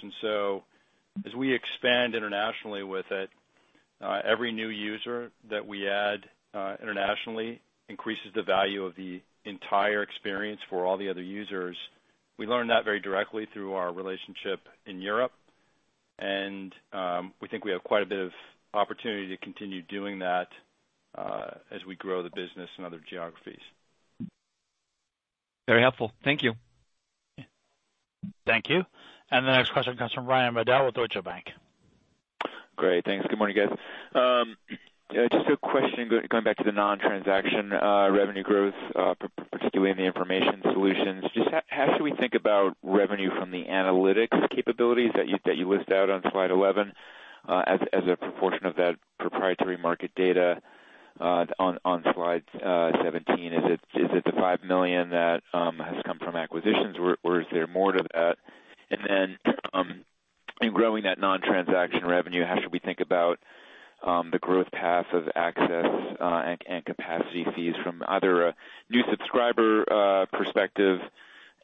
As we expand internationally with it, every new user that we add internationally increases the value of the entire experience for all the other users. We learned that very directly through our relationship in Europe. We think we have quite a bit of opportunity to continue doing that as we grow the business in other geographies. Very helpful. Thank you. Thank you. The next question comes from Brian Bedell with Deutsche Bank. Great. Thanks. Good morning, guys. Just a question going back to the non-transaction revenue growth, particularly in the Information Solutions. Just how should we think about revenue from the analytics capabilities that you listed out on slide 11 as a proportion of that proprietary market data on slide 17? Is it the $5 million that has come from acquisitions, or is there more to that? In growing that non-transaction revenue, how should we think about the growth path of access and capacity fees from either a new subscriber perspective,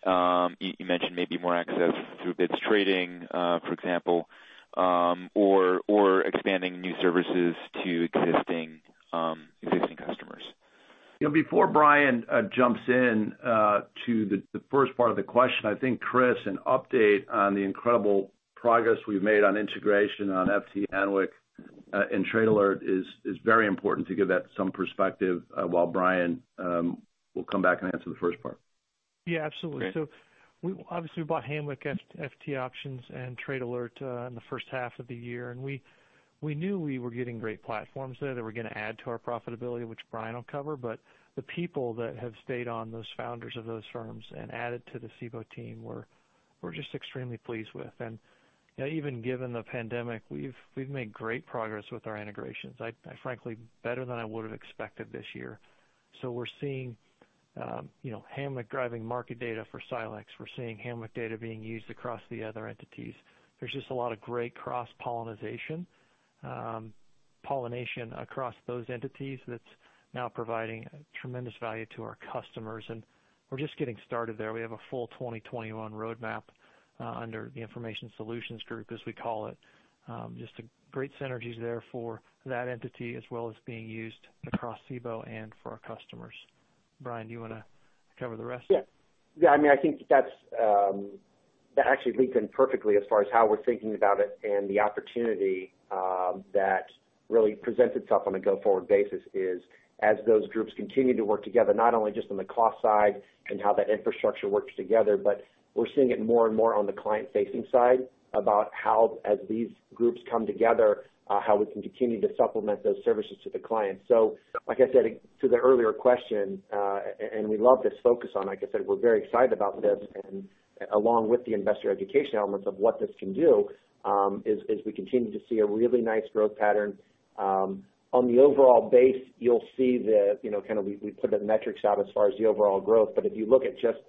you mentioned maybe more access through BIDS Trading, for example, or expanding new services to existing customers? Before Brian jumps in to the 1st part of the question, I think, Chris, an update on the incredible progress we've made on integration on FT, Hanweck, and Trade Alert is very important to give that some perspective while Brian will come back and answer the 1st part. Yeah, absolutely. Great. Obviously we bought Hanweck, FT Options, and Trade Alert in the first half of the year, and we knew we were getting great platforms there that were going to add to our profitability, which Brian will cover. The people that have stayed on, those founders of those firms and added to the Cboe team, we're just extremely pleased with. Even given the pandemic, we've made great progress with our integrations. Frankly, better than I would've expected this year. We're seeing Hanweck driving market data for Silexx. We're seeing Hanweck data being used across the other entities. There's just a lot of great cross-pollination across those entities that's now providing tremendous value to our customers, and we're just getting started there. We have a full 2021 roadmap under the Information Solutions Group, as we call it. Just great synergies there for that entity, as well as being used across Cboe and for our customers. Brian, do you want to cover the rest? Yeah. I think that actually leads in perfectly as far as how we're thinking about it and the opportunity that really presents itself on a go-forward basis is as those groups continue to work together, not only just on the cost side and how that infrastructure works together, but we're seeing it more and more on the client-facing side about how as these groups come together, how we can continue to supplement those services to the client. Like I said to the earlier question, and we love this focus on, like I said, we're very excited about this, and along with the investor education elements of what this can do, is we continue to see a really nice growth pattern. On the overall base, you'll see We put the metrics out as far as the overall growth, but if you look at just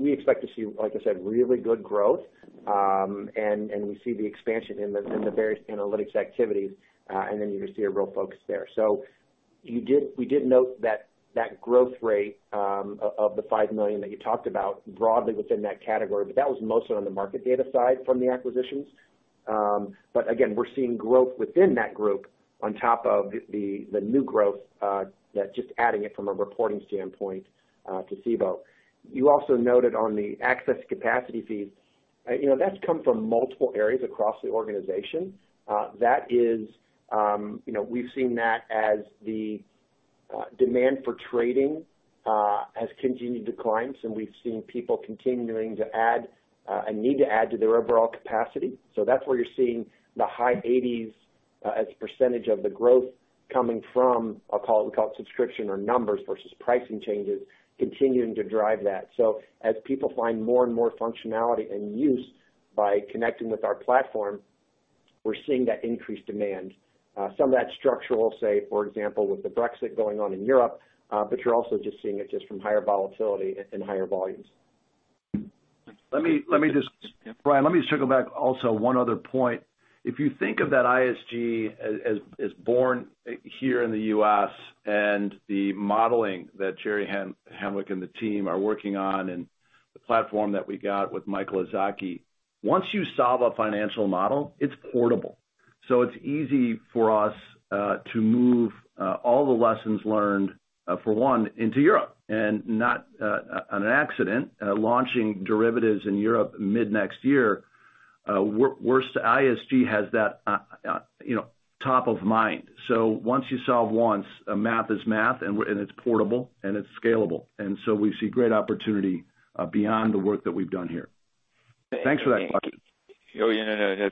We expect to see, like I said, really good growth. We see the expansion in the various analytics activities. You're going to see a real focus there. We did note that growth rate of the $5 million that you talked about broadly within that category. That was mostly on the market data side from the acquisitions. Again, we're seeing growth within that group on top of the new growth that just adding it from a reporting standpoint to Cboe. You also noted on the access capacity fees. That's come from multiple areas across the organization. We've seen that as the demand for trading has continued to climb. We've seen people continuing to add and need to add to their overall capacity. That's where you're seeing the high 80% of the growth coming from, we call it subscription or numbers versus pricing changes, continuing to drive that. As people find more and more functionality and use by connecting with our platform, we're seeing that increased demand. Some of that structural, say, for example, with the Brexit going on in Europe, but you're also just seeing it just from higher volatility and higher volumes. Brian, let me circle back also one other point. If you think of that ISG as born here in the U.S. and the modeling that Jerry Hanweck and the team are working on, and the platform that we got with Michael Izhaky, once you solve a financial model, it's portable. It's easy for us to move all the lessons learned, for one, into Europe. Not on an accident, launching derivatives in Europe mid next year, where ISG has that top of mind. Once you solve once, math is math, and it's portable and it's scalable. We see great opportunity beyond the work that we've done here. Thanks for that question. Oh, yeah, no.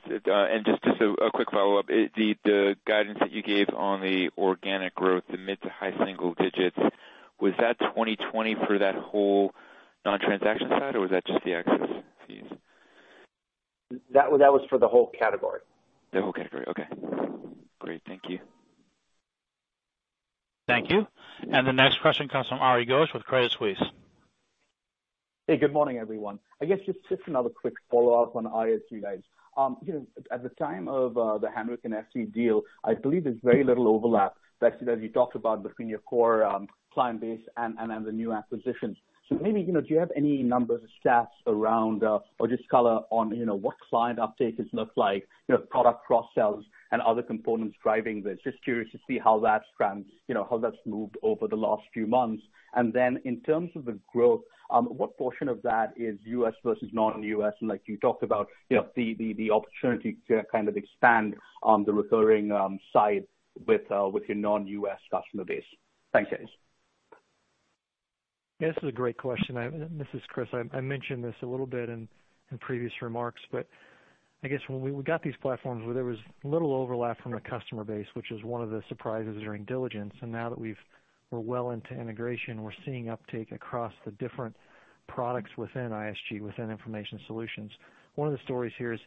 Just a quick follow-up. The guidance that you gave on the organic growth, the mid to high single digits, was that 2020 for that whole non-transaction side, or was that just the access fees? That was for the whole category. The whole category. Okay. Great. Thank you. Thank you. The next question comes from Ari Ghosh with Credit Suisse. Hey, good morning, everyone. I guess just another quick follow-up on ISG, guys. At the time of the Hanweck and FT deal, I believe there's very little overlap, actually, that you talked about between your core client base and then the new acquisitions. Maybe, do you have any numbers or stats around or just color on what client uptake has looked like, product cross-sells and other components driving this? Just curious to see how that's moved over the last few months. In terms of the growth, what portion of that is U.S. versus non-U.S.? Like you talked about, the opportunity to kind of expand on the recurring side with your non-U.S. customer base. Thanks, guys. This is a great question. This is Chris. I mentioned this a little bit in previous remarks, but I guess when we got these platforms, there was little overlap from the customer base, which is one of the surprises during diligence. Now that we're well into integration, we're seeing uptake across the different products within ISG, within Information Solutions. One of the stories here is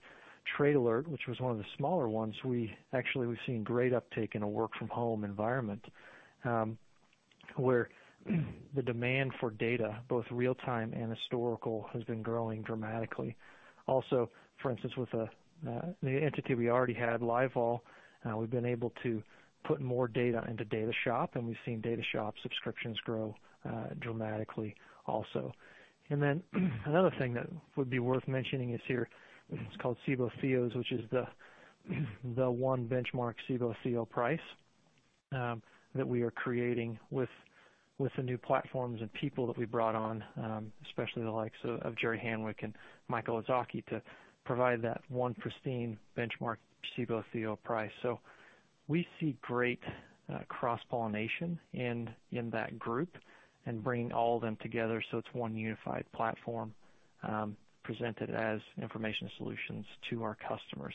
Trade Alert, which was one of the smaller ones. Actually, we've seen great uptake in a work-from-home environment, where the demand for data, both real-time and historical, has been growing dramatically. Also, for instance, with the entity we already had, LiveVol, we've been able to put more data into DataShop, and we've seen DataShop subscriptions grow dramatically also. Another thing that would be worth mentioning is here, it is called Cboe Theos, which is the one benchmark Cboe Theos price that we are creating with the new platforms and people that we brought on, especially the likes of Jerry Hanweck and Michael Izhaky, to provide that one pristine benchmark Cboe Theos price. We see great cross-pollination in that group and bringing all of them together so it is one unified platform presented as Information Solutions to our customers.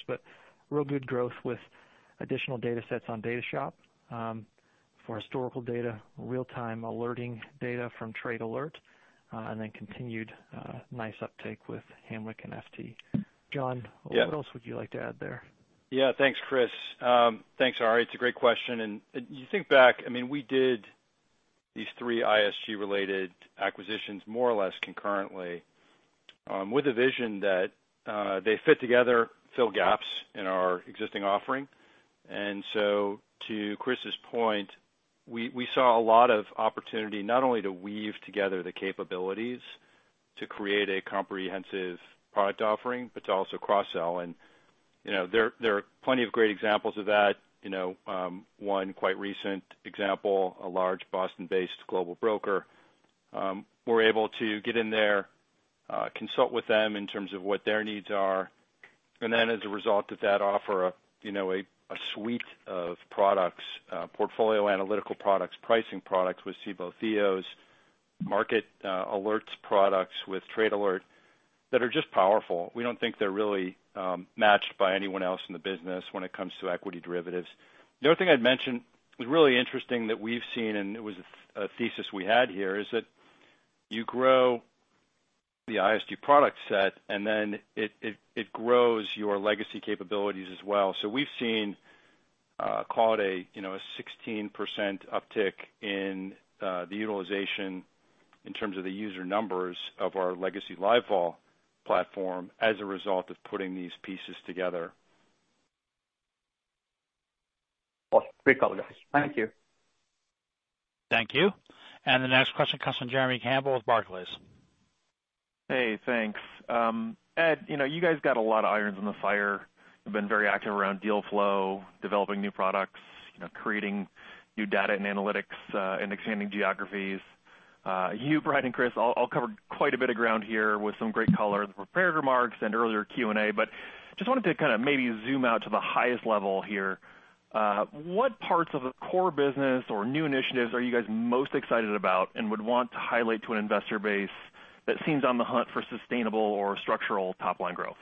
Real good growth with additional datasets on DataShop for historical data, real-time alerting data from Trade Alert, and then continued nice uptake with Hanweck and FT Options. John Yeah. What else would you like to add there? Yeah. Thanks, Chris. Thanks, Ari. It's a great question. You think back, we did these three ISG-related acquisitions more or less concurrently with a vision that they fit together, fill gaps in our existing offering. To Chris's point, we saw a lot of opportunity not only to weave together the capabilities to create a comprehensive product offering, but to also cross-sell. There are plenty of great examples of that. One quite recent example, a large Boston-based global broker. We're able to get in there, consult with them in terms of what their needs are, and then as a result of that offer, a suite of products, portfolio analytical products, pricing products with Cboe Theos, market alerts products with Trade Alert that are just powerful. We don't think they're really matched by anyone else in the business when it comes to equity derivatives. The other thing I'd mention, it's really interesting that we've seen, and it was a thesis we had here, is that you grow. The ISG product set, and then it grows your legacy capabilities as well. We've seen call it a 16% uptick in the utilization in terms of the user numbers of our legacy LiveVol platform as a result of putting these pieces together. Awesome. Great color, guys. Thank you. Thank you. The next question comes from Jeremy Campbell with Barclays. Hey, thanks. Ed, you guys got a lot of irons in the fire. You've been very active around deal flow, developing new products, creating new data and analytics, and expanding geographies. You, Brian, and Chris all covered quite a bit of ground here with some great color in the prepared remarks and earlier Q&A. Just wanted to kind of maybe zoom out to the highest level here. What parts of the core business or new initiatives are you guys most excited about and would want to highlight to an investor base that seems on the hunt for sustainable or structural top-line growth?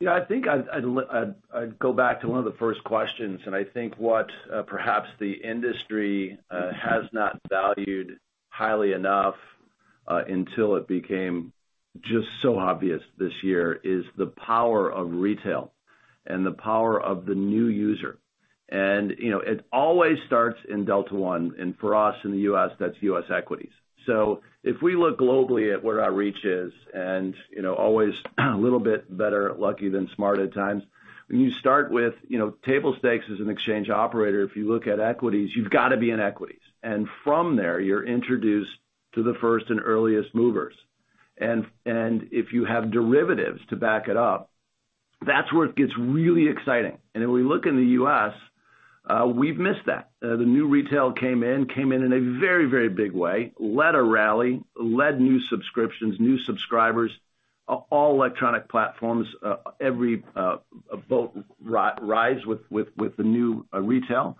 Yeah, I think I'd go back to one of the 1st questions, and I think what perhaps the industry has not valued highly enough, until it became just so obvious this year, is the power of retail and the power of the new user. It always starts in Delta One, and for us in the U.S., that's U.S. equities. If we look globally at where our reach is and always a little bit better lucky than smart at times, when you start with table stakes as an exchange operator, if you look at equities, you've got to be in equities. From there, you're introduced to the 1st and earliest movers. If you have derivatives to back it up, that's where it gets really exciting. If we look in the U.S., we've missed that. The new retail came in in a very big way, led a rally, led new subscriptions, new subscribers, all electronic platforms, every boats rise with the new retail.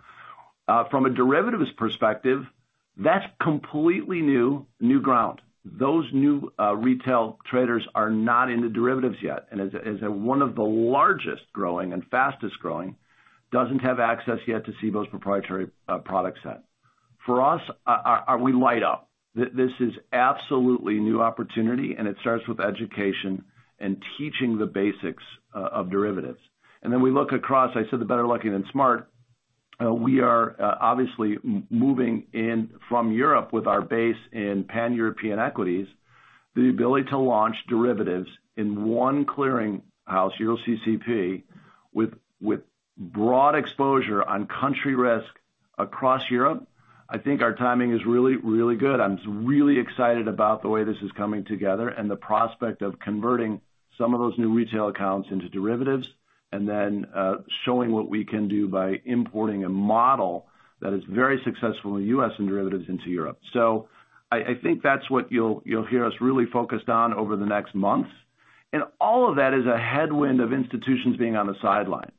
From a derivatives perspective, that's completely new ground. Those new retail traders are not into derivatives yet, and as one of the largest growing and fastest growing, doesn't have access yet to Cboe's proprietary product set. For us, we light up. This is absolutely new opportunity, and it starts with education and teaching the basics of derivatives. Then we look across, I said, the better lucky than smart. We are obviously moving in from Europe with our base in Pan-European equities, the ability to launch derivatives in one clearing house, EuroCCP, with broad exposure on country risk across Europe. I think our timing is really good. I'm really excited about the way this is coming together and the prospect of converting some of those new retail accounts into derivatives. Then showing what we can do by importing a model that is very successful in U.S. and derivatives into Europe. I think that's what you'll hear us really focused on over the next months. All of that is a headwind of institutions being on the sideline.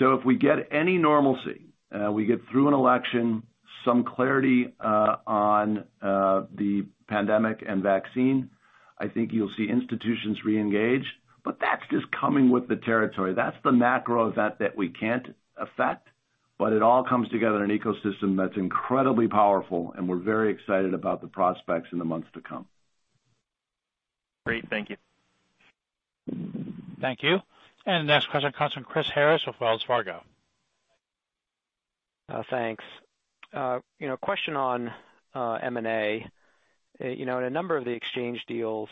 If we get any normalcy, we get through an election, some clarity on the pandemic and vaccine, I think you'll see institutions re-engage. That's just coming with the territory. That's the macro event that we can't affect. It all comes together in an ecosystem that's incredibly powerful. We're very excited about the prospects in the months to come. Great. Thank you. Thank you. Next question comes from Chris Harris with Wells Fargo. Thanks. Question on M&A. In a number of the exchange deals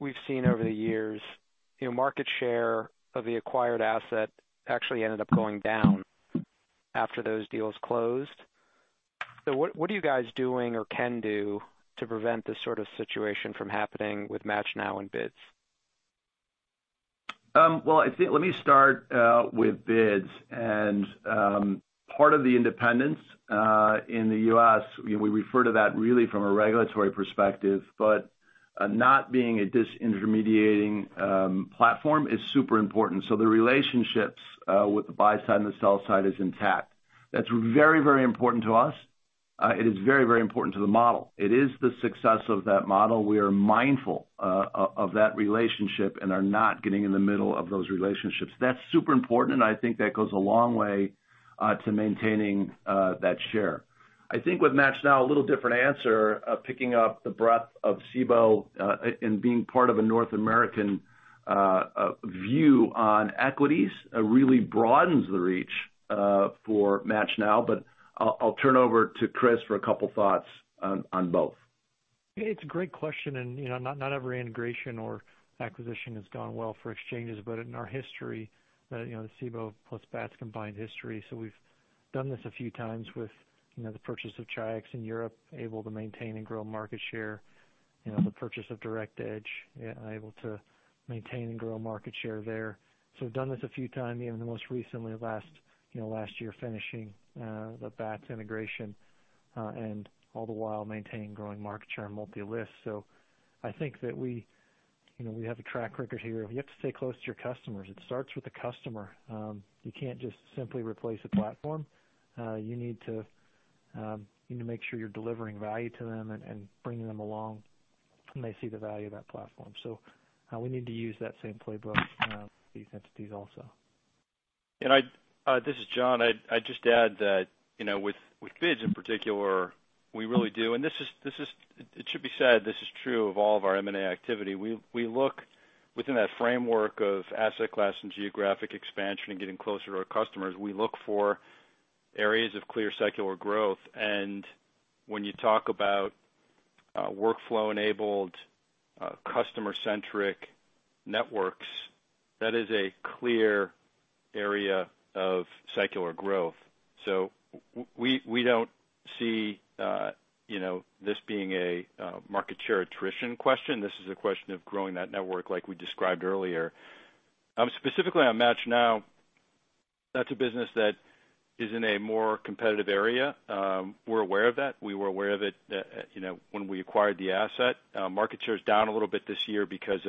we've seen over the years, market share of the acquired asset actually ended up going down after those deals closed. What are you guys doing or can do to prevent this sort of situation from happening with MATCHNow and BIDS? Well, let me start with BIDS and part of the independence in the U.S., we refer to that really from a regulatory perspective, but not being a disintermediating platform is super important. The relationships with the buy side and the sell side is intact. That's very important to us. It is very important to the model. It is the success of that model. We are mindful of that relationship and are not getting in the middle of those relationships. That's super important, and I think that goes a long way to maintaining that share. I think with MATCHNow, a little different answer, picking up the breadth of Cboe, and being part of a North American view on equities really broadens the reach for MATCHNow, but I'll turn over to Chris for a couple thoughts on both. It's a great question. Not every integration or acquisition has gone well for exchanges. In our history, the Cboe plus Bats combined history, we've done this a few times with the purchase of Chi-X in Europe, able to maintain and grow market share. The purchase of Direct Edge, able to maintain and grow market share there. We've done this a few times, even the most recently last year, finishing the Bats integration. All the while maintaining growing market share on multi lists. I think that we have a track record here. You have to stay close to your customers. It starts with the customer. You can't just simply replace a platform. You need to make sure you're delivering value to them and bringing them along, and they see the value of that platform. We need to use that same playbook for these entities also. This is John. I'd just add that with BIDS in particular, we really do, and it should be said, this is true of all of our M&A activity. We look within that framework of asset class and geographic expansion and getting closer to our customers. We look for areas of clear secular growth. When you talk about workflow-enabled customer-centric networks, that is a clear area of secular growth. We don't see this being a market share attrition question. This is a question of growing that network like we described earlier. Specifically on MATCHNow, that's a business that is in a more competitive area. We're aware of that. We were aware of it when we acquired the asset. Market share is down a little bit this year because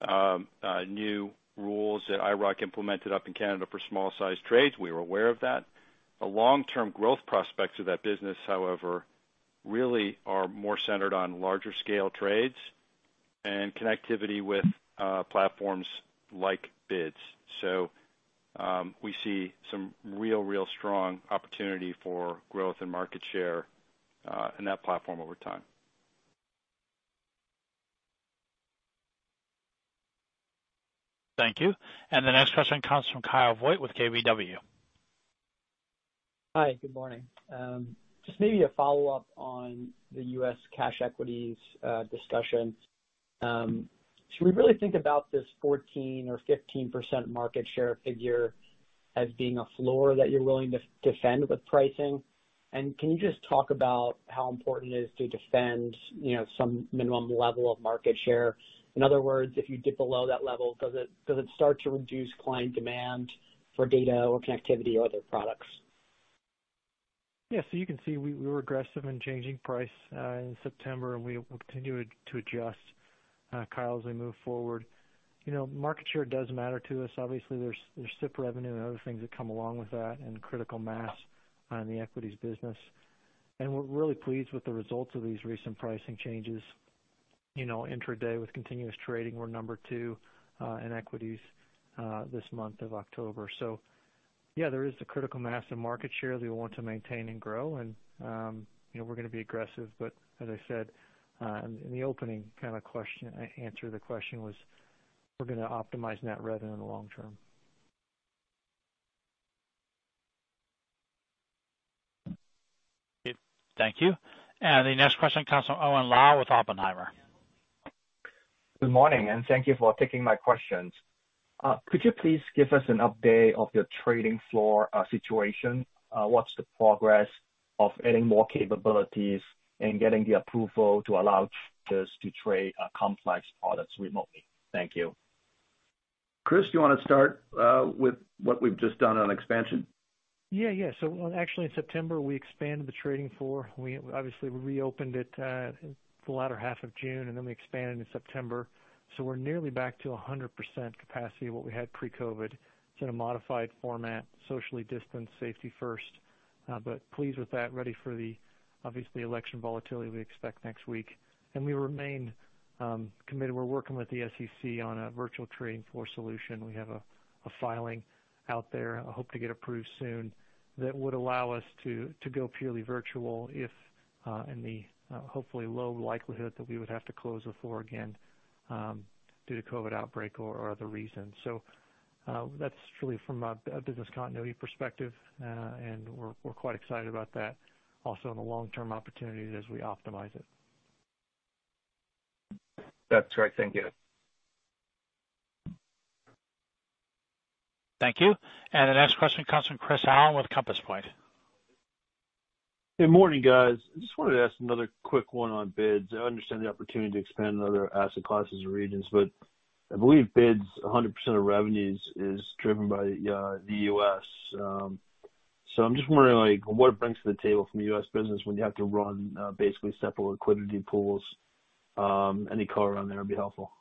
of new rules that IIROC implemented up in Canada for small-sized trades. We were aware of that. The long-term growth prospects of that business, however, really are more centered on larger scale trades and connectivity with platforms like BIDS. We see some real strong opportunity for growth and market share in that platform over time. Thank you. The next question comes from Kyle Voigt with KBW. Hi, good morning. Just maybe a follow-up on the U.S. cash equities discussion. Should we really think about this 14% or 15% market share figure as being a floor that you're willing to defend with pricing? Can you just talk about how important it is to defend some minimum level of market share? In other words, if you dip below that level, does it start to reduce client demand for data or connectivity or other products? Yeah. You can see we were aggressive in changing price in September, and we will continue to adjust, Kyle, as we move forward. Market share does matter to us. Obviously, there's SIP revenue and other things that come along with that, and critical mass on the equities business. We're really pleased with the results of these recent pricing changes. Intraday with continuous trading, we're number two in equities this month of October. Yeah, there is the critical mass of market share that we want to maintain and grow, and we're going to be aggressive, but as I said in the opening answer to the question was, we're going to optimize net revenue in the long term. Thank you. The next question comes from Owen Lau with Oppenheimer. Good morning. Thank you for taking my questions. Could you please give us an update of your trading floor situation? What's the progress of adding more capabilities and getting the approval to allow traders to trade complex products remotely? Thank you. Chris, do you want to start with what we've just done on expansion? Actually in September, we expanded the trading floor. Obviously, we reopened it the latter half of June, and then we expanded in September. We're nearly back to 100% capacity of what we had pre-COVID. It's in a modified format, socially distanced, safety first. Pleased with that. Ready for the, obviously, election volatility we expect next week. We remain committed. We're working with the SEC on a virtual trading floor solution. We have a filing out there, I hope to get approved soon, that would allow us to go purely virtual if in the hopefully low likelihood that we would have to close the floor again due to COVID outbreak or other reasons. That's truly from a business continuity perspective, and we're quite excited about that also in the long-term opportunities as we optimize it. That's right. Thank you. Thank you. The next question comes from Chris Allen with Compass Point. Good morning, guys. I just wanted to ask another quick one on BIDS. I understand the opportunity to expand to other asset classes and regions, I believe BIDS, 100% of revenues is driven by the U.S. I'm just wondering, what it brings to the table from the U.S. business when you have to run basically separate liquidity pools. Any color around there would be helpful.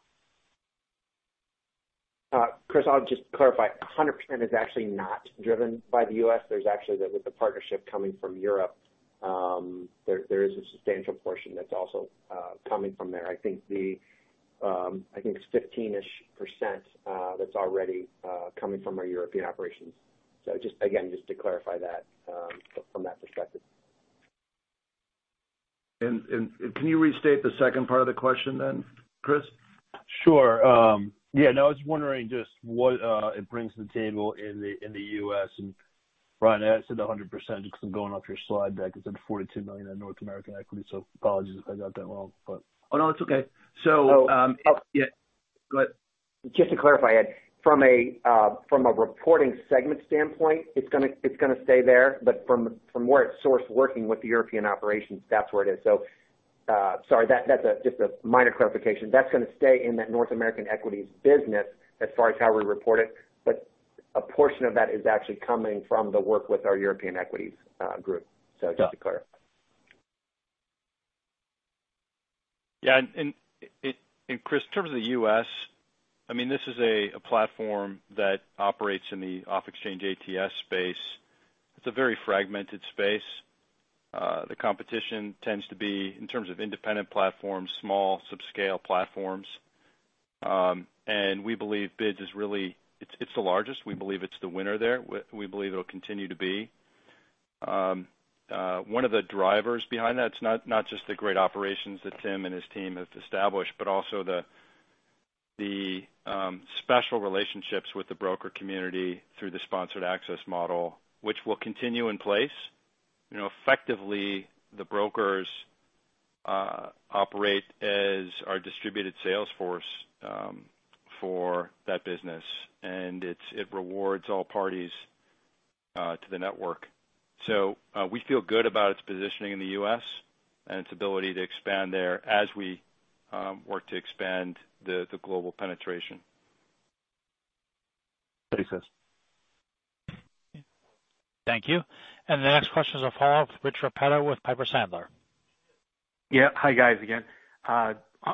Chris, I'll just clarify. 100% is actually not driven by the U.S. There's actually, with the partnership coming from Europe, there is a substantial portion that's also coming from there. I think it's 15%-ish that's already coming from our European operations. Again, just to clarify that from that perspective. Can you restate the second part of the question then, Chris? Sure. Yeah, no, I was wondering just what it brings to the table in the U.S. Brian, I said the 100% because I'm going off your slide deck. It said $42 million in North American equity. Apologies if I got that wrong. No, it's okay. Yeah. Go ahead. Just to clarify, Ed, from a reporting segment standpoint, it's going to stay there. From where it's sourced working with the European operations, that's where it is. Sorry, that's just a minor clarification. That's going to stay in that North American equities business as far as how we report it. A portion of that is actually coming from the work with our European equities group. Just to clarify. Yeah. Chris, in terms of the U.S., this is a platform that operates in the off-exchange ATS space. It's a very fragmented space. The competition tends to be, in terms of independent platforms, small subscale platforms. We believe BIDS is really the largest. We believe it'll continue to be. One of the drivers behind that, it's not just the great operations that Tim and his team have established, but also the special relationships with the broker community through the sponsored access model, which will continue in place. Effectively, the brokers operate as our distributed sales force for that business, and it rewards all parties to the network. We feel good about its positioning in the U.S. and its ability to expand there as we work to expand the global penetration. Thank you. The next question is of follow-up. Rich Repetto with Piper Sandler. Yeah. Hi, guys again.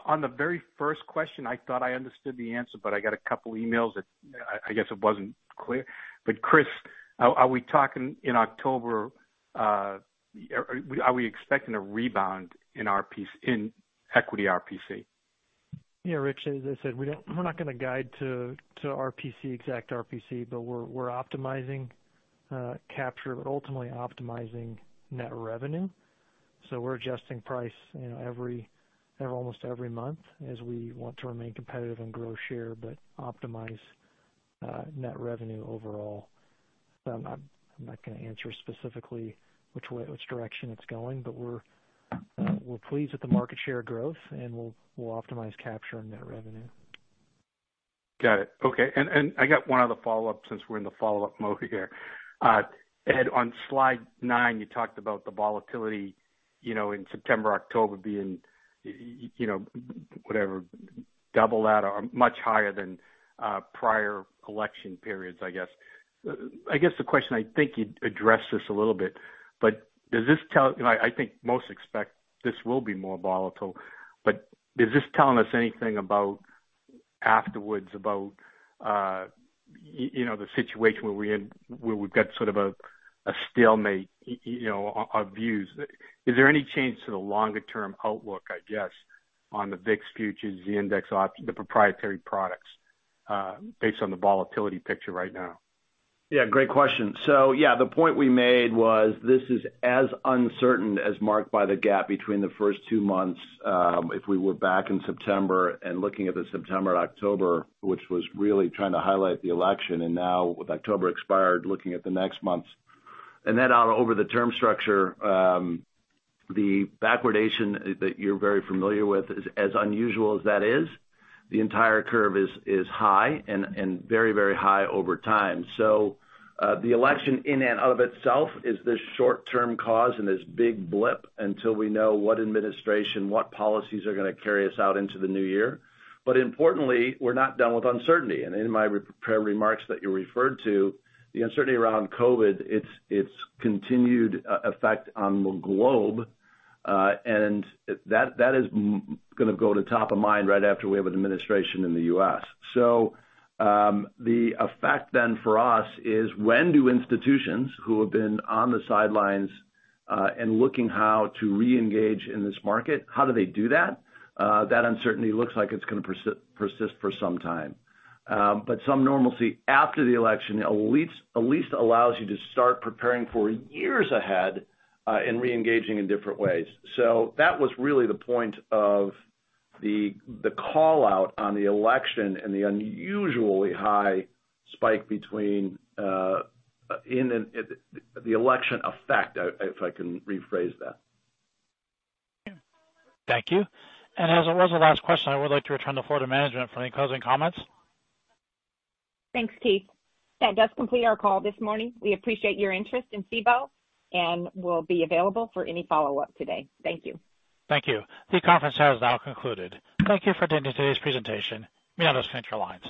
On the very 1st question, I thought I understood the answer, but I got a couple emails that I guess it wasn't clear. Chris, are we talking in October, are we expecting a rebound in equity RPC? Yeah, Rich, as I said, we're not going to guide to exact RPC, but we're optimizing capture, but ultimately optimizing net revenue. We're adjusting price almost every month as we want to remain competitive and grow share, but optimize net revenue overall. I'm not going to answer specifically which direction it's going, but we're pleased with the market share growth, and we'll optimize capture net revenue. Got it. Okay. I got one other follow-up since we're in the follow-up mode here. Ed, on slide nine, you talked about the volatility in September, October being, whatever, double that or much higher than prior election periods, I guess. I guess the question, I think you addressed this a little bit, I think most expect this will be more volatile, is this telling us anything about afterwards, about the situation where we've got sort of a stalemate of views? Is there any change to the longer-term outlook, I guess, on the VIX futures, the index options, the proprietary products, based on the volatility picture right now? Yeah, great question. Yeah, the point we made was this is as uncertain as marked by the gap between the first two months, if we were back in September and looking at the September, October, which was really trying to highlight the election, and now with October expired, looking at the next months. Out over the term structure, the backwardation that you're very familiar with is as unusual as that is. The entire curve is high and very high over time. The election in and of itself is this short-term cause and this big blip until we know what administration, what policies are going to carry us out into the new year. Importantly, we're not done with uncertainty. In my prepared remarks that you referred to, the uncertainty around COVID, its continued effect on the globe, and that is going to go to top of mind right after we have an administration in the U.S. The effect then for us is when do institutions who have been on the sidelines, and looking how to reengage in this market, how do they do that? That uncertainty looks like it's going to persist for some time. Some normalcy after the election at least allows you to start preparing for years ahead, in reengaging in different ways. That was really the point of the call-out on the election and the unusually high spike between the election effect, if I can rephrase that. Thank you. As it was the last question, I would like to return the floor to management for any closing comments. Thanks, Keith. That does complete our call this morning. We appreciate your interest in Cboe, and we'll be available for any follow-up today. Thank you. Thank you. The conference has now concluded. Thank you for attending today's presentation. You may disconnect your lines.